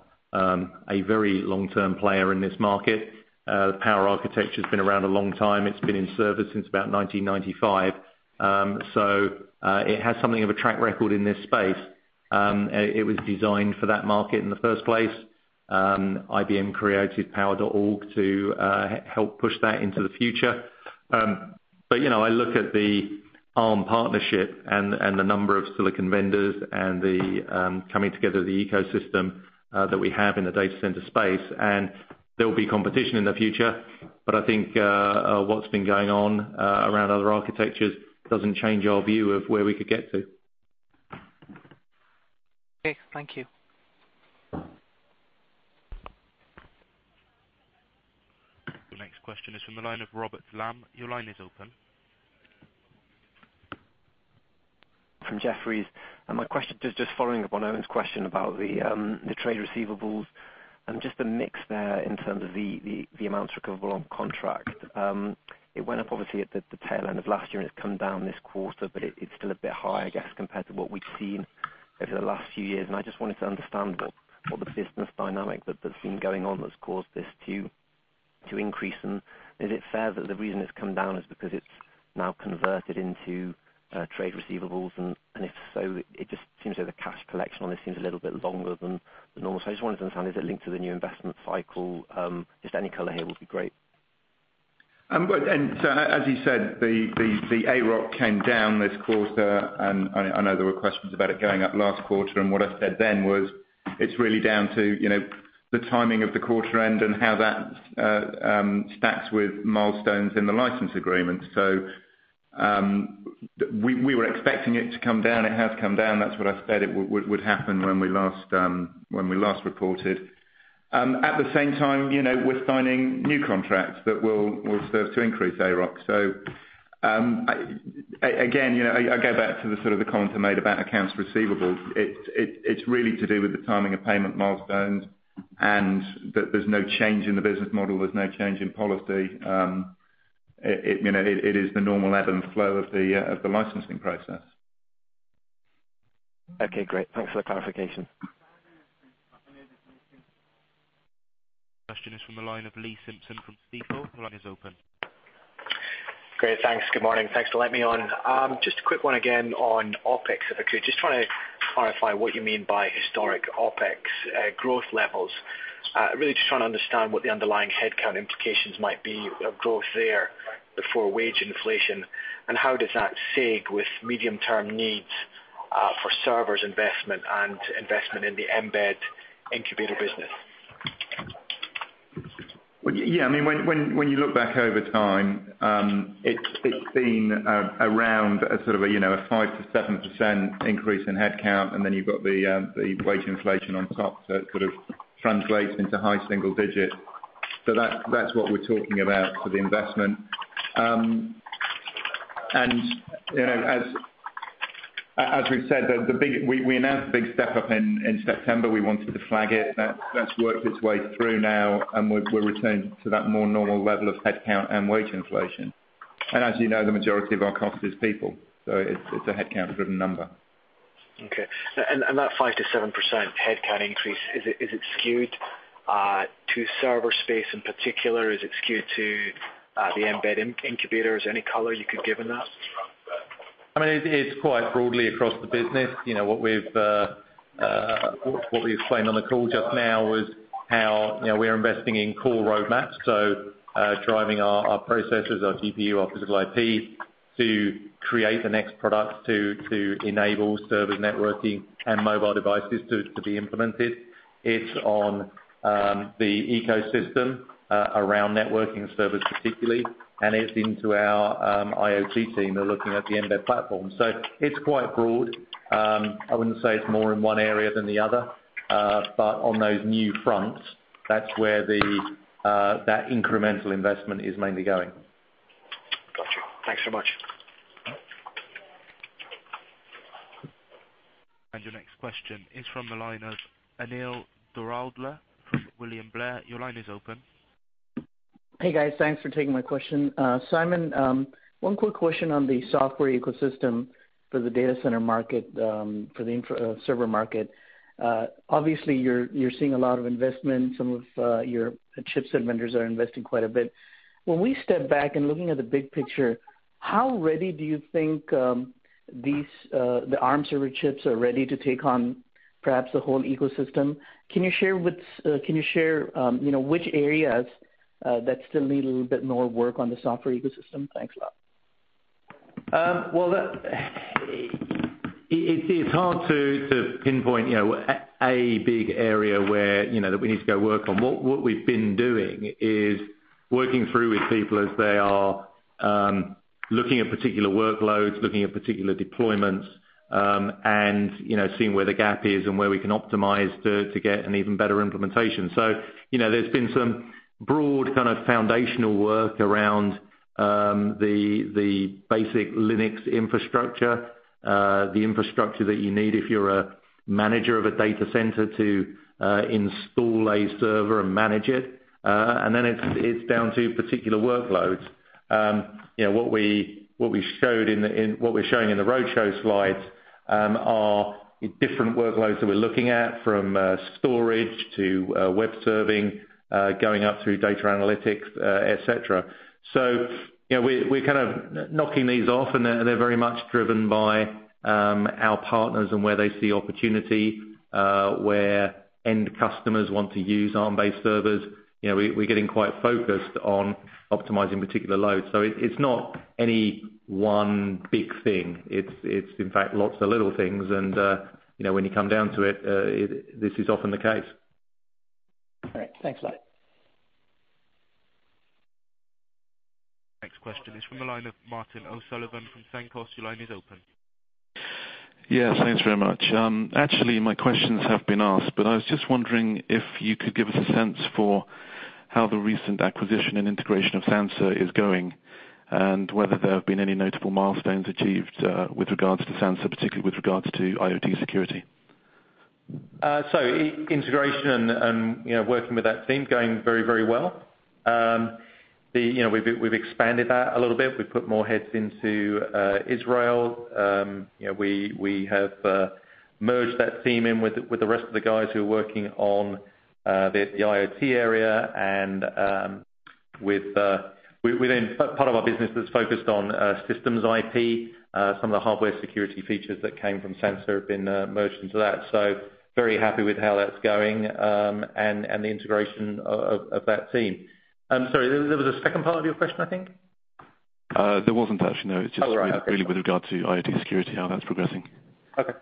a very long-term player in this market. Power Architecture's been around a long time. It's been in service since about 1995. It has something of a track record in this space. It was designed for that market in the first place. IBM created power.org to help push that into the future. I look at the Arm partnership and the number of silicon vendors and the coming together of the ecosystem that we have in the data center space, and there'll be competition in the future. I think what's been going on around other architectures doesn't change our view of where we could get to. Okay, thank you. The next question is from the line of Robert Lamb. Your line is open. From Jefferies. My question, just following up on Euan's question about the trade receivables, and just the mix there in terms of the amounts recoverable on contract. It went up obviously at the tail end of last year, and it has come down this quarter, but it is still a bit high, I guess, compared to what we have seen over the last few years. I just wanted to understand what the business dynamic that has been going on that has caused this to increase. Is it fair that the reason it has come down is because it is now converted into trade receivables? If so, it just seems like the cash collection on this seems a little bit longer than normal. I just wanted to understand, is it linked to the new investment cycle? Just any color here would be great. As you said, the AROC came down this quarter, and I know there were questions about it going up last quarter, and what I said then was it is really down to the timing of the quarter end and how that stacks with milestones in the license agreement. We were expecting it to come down. It has come down. That is what I said it would happen when we last reported. At the same time, we are signing new contracts that will serve to increase AROC. Again, I go back to the sort of the comments I made about accounts receivable. It is really to do with the timing of payment milestones, and that there is no change in the business model. There is no change in policy. It is the normal ebb and flow of the licensing process. Okay, great. Thanks for the clarification. Question is from the line of Lee Simpson from Jefferies. The line is open. Great, thanks. Good morning. Thanks for letting me on. Just a quick one again on OpEx, if I could. Just trying to clarify what you mean by historic OpEx growth levels. Really just trying to understand what the underlying headcount implications might be of growth there before wage inflation, how does that sag with medium-term needs for servers investment and investment in the Mbed Incubator business? Yeah, when you look back over time, it's been around sort of a 5%-7% increase in headcount, then you've got the wage inflation on top. It sort of translates into high single digit. That's what we're talking about for the investment. As we've said, we announced the big step up in September. We wanted to flag it. That's worked its way through now, we're returning to that more normal level of headcount and wage inflation. As you know, the majority of our cost is people. It's a headcount driven number. Okay. That 5%-7% headcount increase, is it skewed to server space in particular, is it skewed to the Mbed Incubator? Is any color you could give in that? It's quite broadly across the business. What we explained on the call just now was how we're investing in core roadmaps, so driving our processors, our GPU, our Physical IP to create the next products to enable server networking and mobile devices to be implemented. It's on the ecosystem around networking servers, particularly, and it's into our IoT team. They're looking at the Mbed platform. It's quite broad. I wouldn't say it's more in one area than the other. On those new fronts, that's where that incremental investment is mainly going. Got you. Thanks so much. Your next question is from the line of Anil Doradla from William Blair. Your line is open. Hey, guys. Thanks for taking my question. Simon, one quick question on the software ecosystem for the data center market, for the infra server market. Obviously, you're seeing a lot of investment. Some of your chipset vendors are investing quite a bit. When we step back and looking at the big picture, how ready do you think the Arm server chips are ready to take on perhaps the whole ecosystem? Can you share which areas that still need a little bit more work on the software ecosystem? Thanks a lot. It's hard to pinpoint a big area where we need to go work on. What we've been doing is working through with people as they are looking at particular workloads, looking at particular deployments, and seeing where the gap is and where we can optimize to get an even better implementation. There's been some broad kind of foundational work around the basic Linux infrastructure. The infrastructure that you need if you're a manager of a data center to install a server and manage it. Then it's down to particular workloads. What we're showing in the roadshow slides are different workloads that we're looking at from storage to web serving, going up through data analytics, et cetera. We're kind of knocking these off, and they're very much driven by our partners and where they see opportunity, where end customers want to use Arm-based servers. We're getting quite focused on optimizing particular loads. It's not any one big thing. It's in fact, lots of little things. When you come down to it, this is often the case. All right. Thanks a lot. Next question is from the line of Martin O'Sullivan from Cenkos. Your line is open. Yeah, thanks very much. Actually, my questions have been asked, but I was just wondering if you could give us a sense for how the recent acquisition and integration of Sansa is going, and whether there have been any notable milestones achieved with regards to Sansa, particularly with regards to IoT security. Integration and working with that team, going very, very well. We've expanded that a little bit. We've put more heads into Israel. We have merged that team in with the rest of the guys who are working on the IoT area and within part of our business that's focused on systems IP. Some of the hardware security features that came from Sansa have been merged into that. Very happy with how that's going, and the integration of that team. I'm sorry, there was a second part of your question, I think. There wasn't actually, no. Right. Okay. It's just really with regard to IoT security, how that's progressing. Okay.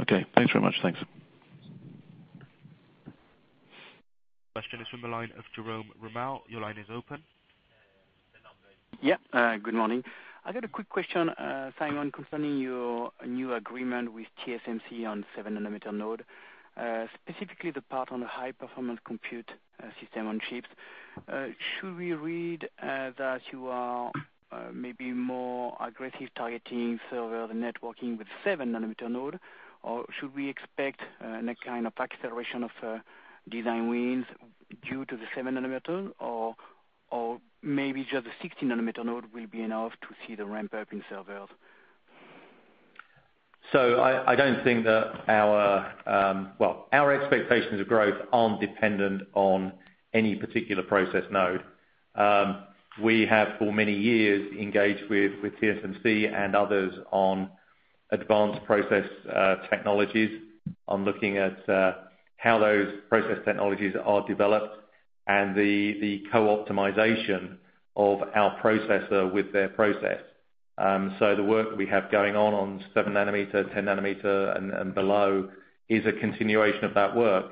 Okay. Thanks very much. Thanks. Question is from the line of Jérôme Ramel. Your line is open. Yeah. Good morning. I got a quick question, Simon, concerning your new agreement with TSMC on seven nanometer node, specifically the part on the High Performance Compute System on Chips. Should we read that you are maybe more aggressive targeting server networking with seven nanometer node? Should we expect a kind of acceleration of design wins due to the seven nanometer, or maybe just the 16 nanometer node will be enough to see the ramp-up in servers? I don't think that our expectations of growth aren't dependent on any particular process node. We have for many years engaged with TSMC and others on advanced process technologies, on looking at how those process technologies are developed and the co-optimization of our processor with their process. The work that we have going on on 7 nanometer, 10 nanometer, and below is a continuation of that work.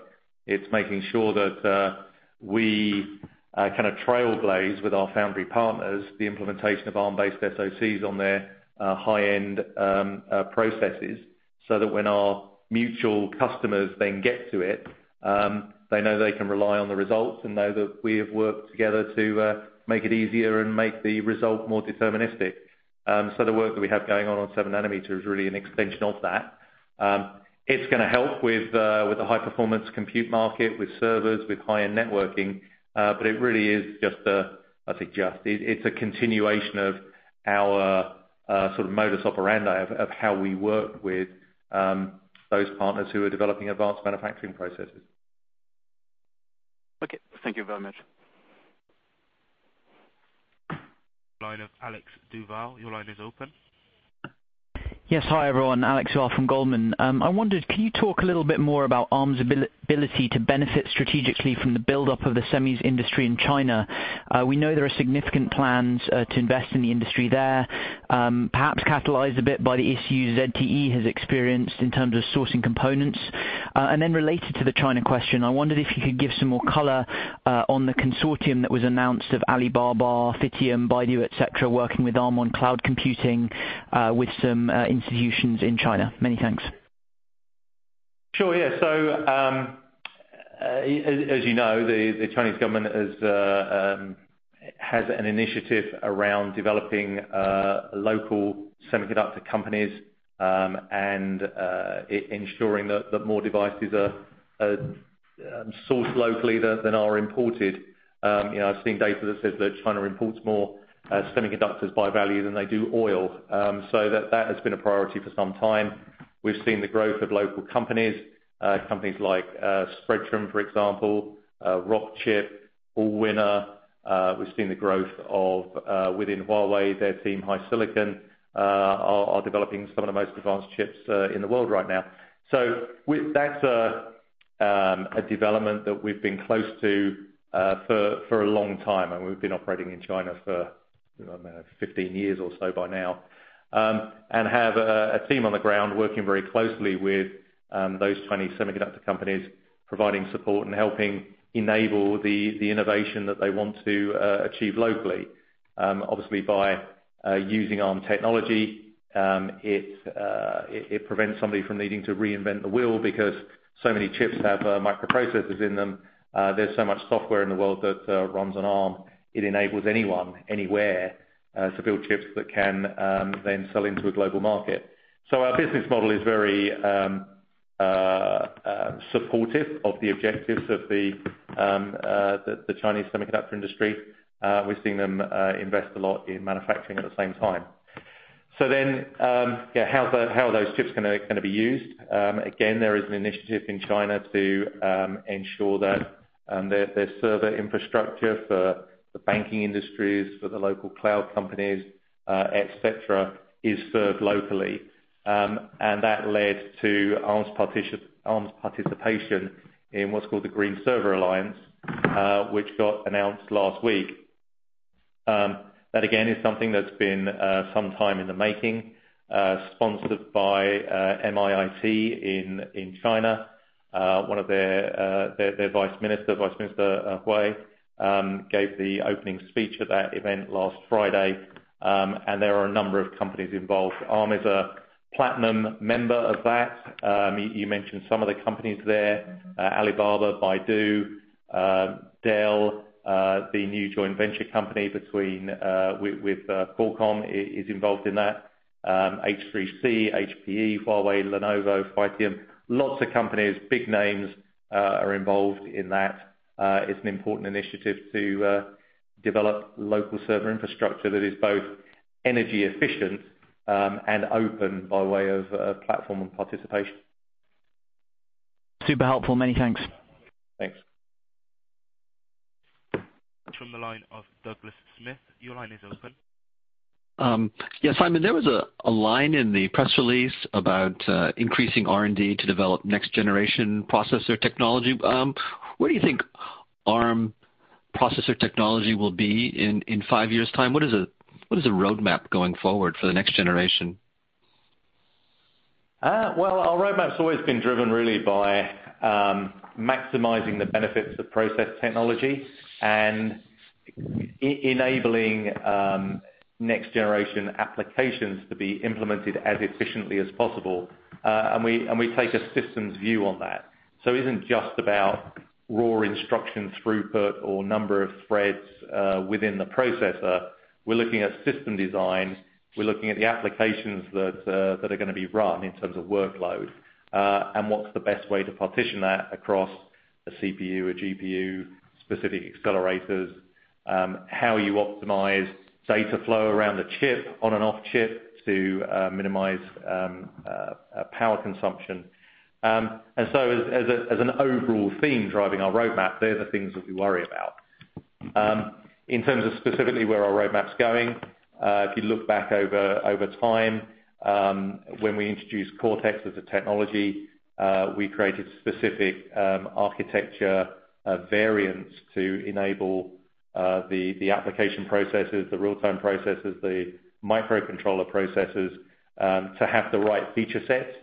It's making sure that we kind of trailblaze with our foundry partners the implementation of Arm-based SOCs on their high-end processes, so that when our mutual customers then get to it, they know they can rely on the results and know that we have worked together to make it easier and make the result more deterministic. The work that we have going on on 7 nanometer is really an extension of that. It's going to help with the high performance compute market, with servers, with high-end networking. It really is just a continuation of our sort of modus operandi of how we work with those partners who are developing advanced manufacturing processes. Okay. Thank you very much. Line of Alexander Duval. Your line is open. Yes. Hi, everyone. Alex Duval from Goldman. I wondered, can you talk a little bit more about Arm's ability to benefit strategically from the buildup of the semis industry in China? We know there are significant plans to invest in the industry there perhaps catalyzed a bit by the issues ZTE has experienced in terms of sourcing components. Related to the China question, I wondered if you could give some more color on the consortium that was announced of Alibaba, Phytium, Baidu, et cetera, working with Arm on cloud computing, with some institutions in China. Many thanks. Sure. Yeah. As you know, the Chinese government has an initiative around developing local semiconductor companies, and ensuring that more devices are sourced locally than are imported. I've seen data that says that China imports more semiconductors by value than they do oil. That has been a priority for some time. We've seen the growth of local companies like Spreadtrum, for example, Rockchip, Allwinner. We've seen the growth of within Huawei, their team HiSilicon are developing some of the most advanced chips in the world right now. That's a development that we've been close to for a long time, and we've been operating in China for 15 years or so by now. Have a team on the ground working very closely with those Chinese semiconductor companies, providing support and helping enable the innovation that they want to achieve locally. Obviously, by using Arm technology, it prevents somebody from needing to reinvent the wheel because so many chips have microprocessors in them. There's so much software in the world that runs on Arm. It enables anyone, anywhere, to build chips that can then sell into a global market. Our business model is very supportive of the objectives of the Chinese semiconductor industry. We're seeing them invest a lot in manufacturing at the same time. How are those chips going to be used? Again, there is an initiative in China to ensure that their server infrastructure for the banking industries, for the local cloud companies, et cetera, is served locally. That led to Arm's participation in what's called the Green Server Alliance, which got announced last week. That again, is something that's been sometime in the making, sponsored by MIIT in China. One of their Vice Minister, Vice Minister Huai gave the opening speech at that event last Friday. There are a number of companies involved. Arm is a platinum member of that. You mentioned some of the companies there, Alibaba, Baidu, Dell, the new joint venture company with Qualcomm is involved in that. H3C, HPE, Huawei, Lenovo, Phytium. Lots of companies, big names, are involved in that. It's an important initiative to develop local server infrastructure that is both energy efficient, and open by way of platform and participation. Super helpful. Many thanks. Thanks. From the line of Douglas Smith. Your line is open. Yes. Simon, there was a line in the press release about increasing R&D to develop next generation processor technology. Where do you think Arm processor technology will be in five years' time? What is the roadmap going forward for the next generation? Well, our roadmap's always been driven really by maximizing the benefits of process technology and enabling next generation applications to be implemented as efficiently as possible. We take a systems view on that. It isn't just about raw instruction throughput or number of threads within the processor. We're looking at system design. We're looking at the applications that are going to be run in terms of workload, and what's the best way to partition that across a CPU or GPU, specific accelerators, how you optimize data flow around the chip, on and off chip, to minimize power consumption. As an overall theme driving our roadmap, they're the things that we worry about. In terms of specifically where our roadmap's going, if you look back over time, when we introduced Cortex as a technology, we created specific architecture variants to enable the application processes, the real time processes, the microcontroller processes, to have the right feature set,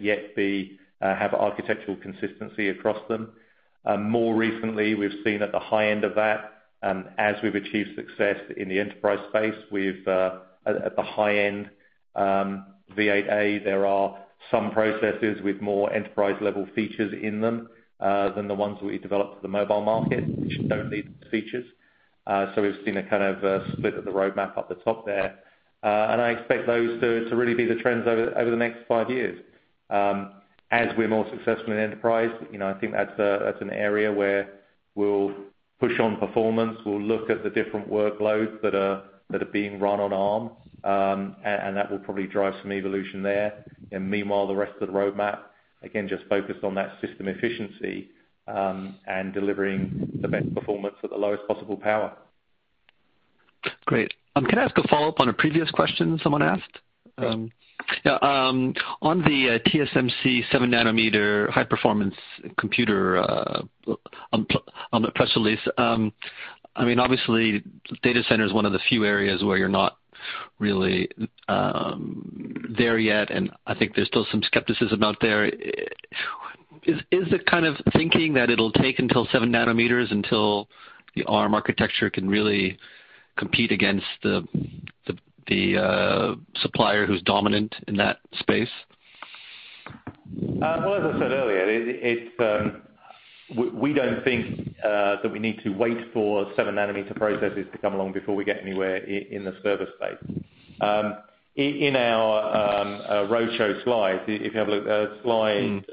yet have architectural consistency across them. More recently, we've seen at the high end of that, as we've achieved success in the enterprise space, at the high end, V8A, there are some processes with more enterprise level features in them, than the ones that we developed for the mobile market, which don't need those features. We've seen a kind of a split of the roadmap up the top there. I expect those to really be the trends over the next five years. As we're more successful in enterprise, I think that's an area where we'll push on performance. We'll look at the different workloads that are being run on Arm, that will probably drive some evolution there. Meanwhile, the rest of the roadmap, again, just focused on that system efficiency, and delivering the best performance at the lowest possible power. Great. Can I ask a follow-up on a previous question someone asked? Sure. Yeah. On the TSMC seven nanometer high performance computer on the press release. Obviously, data center is one of the few areas where you're not really there yet, I think there's still some skepticism out there. Is it thinking that it'll take until seven nanometers until the Arm architecture can really compete against the supplier who's dominant in that space? Well, as I said earlier, we don't think that we need to wait for 7 nanometer processes to come along before we get anywhere in the server space. In our roadshow slides, if you have a look at slide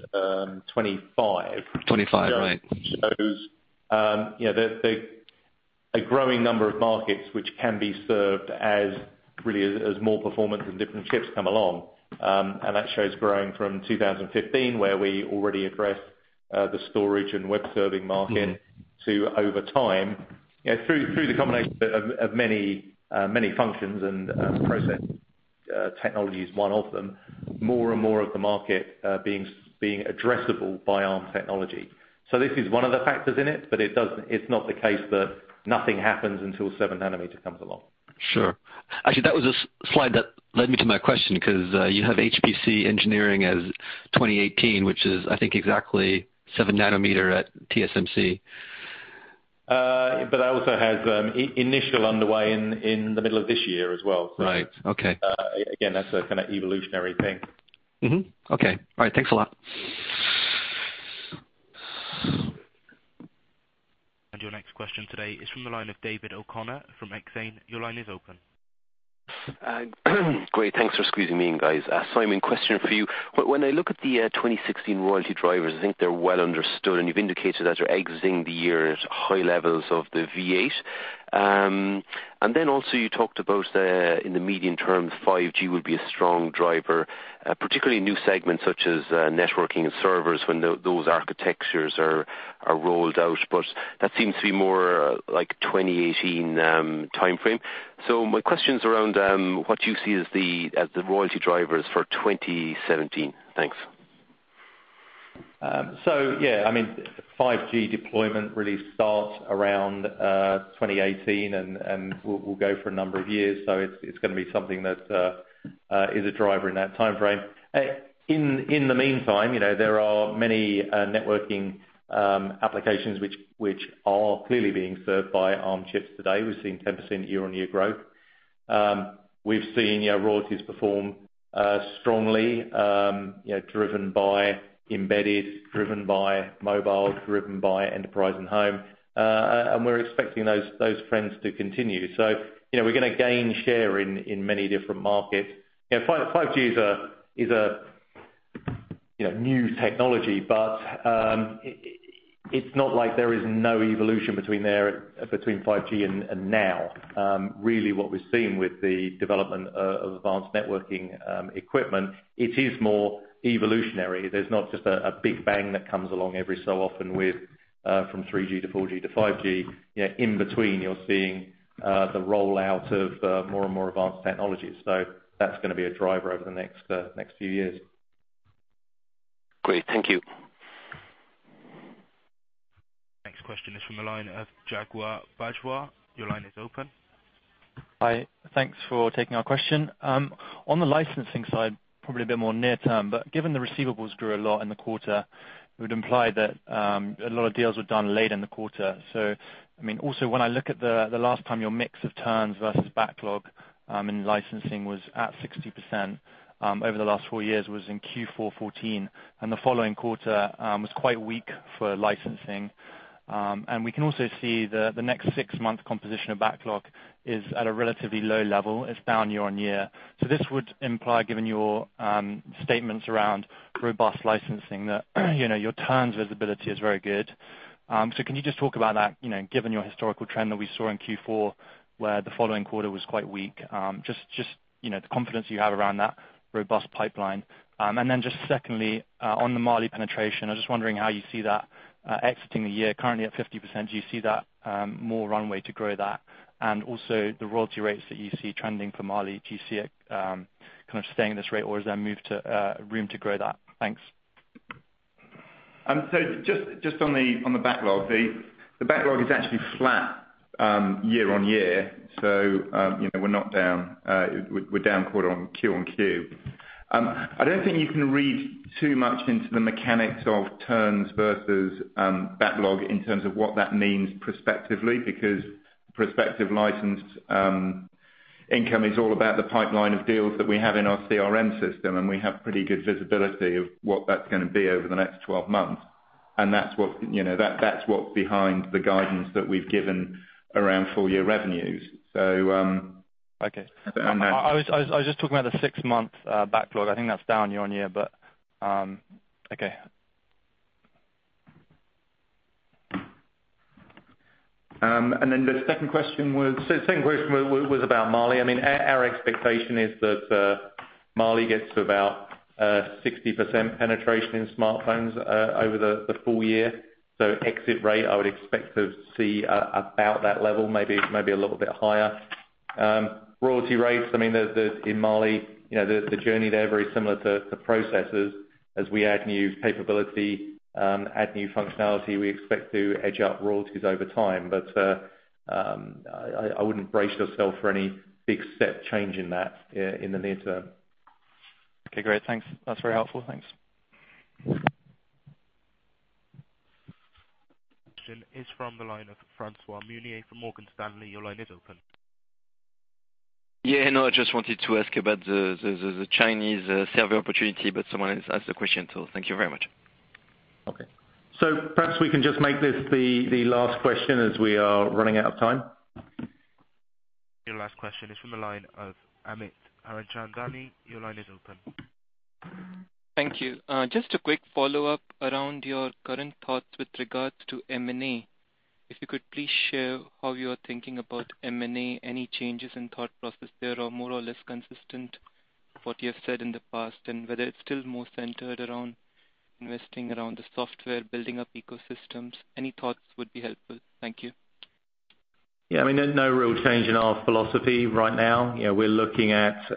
25. 25. Right. The slide shows the growing number of markets which can be served as more performance and different chips come along. That shows growing from 2015, where we already addressed the storage and web serving market to over time. Through the combination of many functions and process technologies, one of them, more and more of the market being addressable by Arm technology. This is one of the factors in it, but it's not the case that nothing happens until 7 nanometer comes along. Sure. Actually, that was a slide that led me to my question because you have HPC engineering as 2018, which is, I think, exactly 7 nanometer at TSMC. That also has initial underway in the middle of this year as well. Right. Okay. Again, that's a kind of evolutionary thing. Mm-hmm. Okay. All right. Thanks a lot. Your next question today is from the line of David O'Connor from Exane. Your line is open. Great. Thanks for squeezing me in, guys. Simon, question for you. When I look at the 2016 royalty drivers, I think they're well understood, and you've indicated that you're exiting the year at high levels of the Armv8. Then also you talked about, in the medium term, 5G will be a strong driver, particularly new segments such as networking and servers when those architectures are rolled out. That seems to be more like 2018 timeframe. My question is around what you see as the royalty drivers for 2017. Thanks. Yeah. 5G deployment really starts around 2018, and will go for a number of years. It's going to be something that is a driver in that timeframe. In the meantime, there are many networking applications which are clearly being served by Arm chips today. We've seen 10% year-on-year growth. We've seen our royalties perform strongly driven by embedded, driven by mobile, driven by enterprise and home. We're expecting those trends to continue. We're going to gain share in many different markets. 5G is a new technology, but it's not like there is no evolution between 5G and now. Really what we're seeing with the development of advanced networking equipment, it is more evolutionary. There's not just a big bang that comes along every so often from 3G to 4G to 5G. In between, you're seeing the rollout of more and more advanced technologies. That's going to be a driver over the next few years. Great. Thank you. Next question is from the line of Jaguar Bajwa. Your line is open. Hi. Thanks for taking our question. On the licensing side, probably a bit more near term, but given the receivables grew a lot in the quarter, it would imply that a lot of deals were done late in the quarter. Also when I look at the last time your mix of turns versus backlog, in licensing was at 60% over the last four years, was in Q4 2014, and the following quarter was quite weak for licensing. We can also see the next six month composition of backlog is at a relatively low level. It's down year-on-year. This would imply, given your statements around robust licensing, that your turns visibility is very good. Can you just talk about that, given your historical trend that we saw in Q4 where the following quarter was quite weak? Just the confidence you have around that robust pipeline. Just secondly, on the Mali penetration, I was just wondering how you see that exiting the year currently at 50%. Do you see that more runway to grow that? Also the royalty rates that you see trending for Mali. Do you see it staying at this rate or is there room to grow that? Thanks. Just on the backlog. The backlog is actually flat year-on-year, we're not down. We're down Q-on-Q. I don't think you can read too much into the mechanics of turns versus backlog in terms of what that means perspectively, because prospective license income is all about the pipeline of deals that we have in our CRM system, and we have pretty good visibility of what that's going to be over the next 12 months. That's what's behind the guidance that we've given around full year revenues. Okay. I was just talking about the six-month backlog. I think that's down year-on-year, okay. The second question was? Second question was about Mali. Our expectation is that Mali gets to about 60% penetration in smartphones over the full year. Exit rate, I would expect to see about that level, maybe a little bit higher. Royalty rates, in Mali, the journey there, very similar to processors. As we add new capability, add new functionality, we expect to edge up royalties over time. I wouldn't brace yourself for any big step change in that in the near term. Okay, great. Thanks. That's very helpful. Thanks. Next question is from the line of François Meunier from Morgan Stanley. Your line is open. I just wanted to ask about the Chinese server opportunity, someone else asked the question, thank you very much. Okay. Perhaps we can just make this the last question as we are running out of time. Your last question is from the line of Amit Harchandani. Your line is open. Thank you. Just a quick follow-up around your current thoughts with regards to M&A. If you could please share how you are thinking about M&A, any changes in thought process there are more or less consistent to what you have said in the past, and whether it is still more centered around investing around the software, building up ecosystems. Any thoughts would be helpful. Thank you. Yeah, there is no real change in our philosophy right now. We are looking at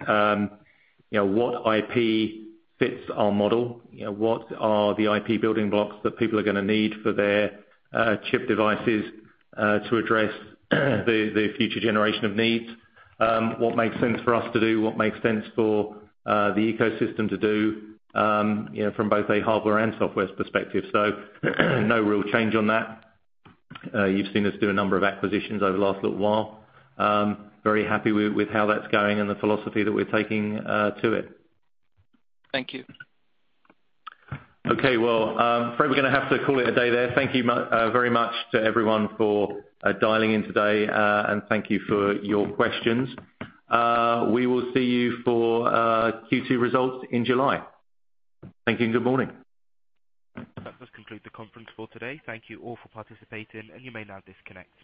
what IP fits our model, what are the IP building blocks that people are going to need for their chip devices to address the future generation of needs. What makes sense for us to do, what makes sense for the ecosystem to do from both a hardware and software perspective. No real change on that. You have seen us do a number of acquisitions over the last little while. Very happy with how that is going and the philosophy that we are taking to it. Thank you. Okay. Well, I'm afraid we're going to have to call it a day there. Thank you very much to everyone for dialing in today, and thank you for your questions. We will see you for Q2 results in July. Thank you and good morning. That does conclude the conference for today. Thank you all for participating and you may now disconnect.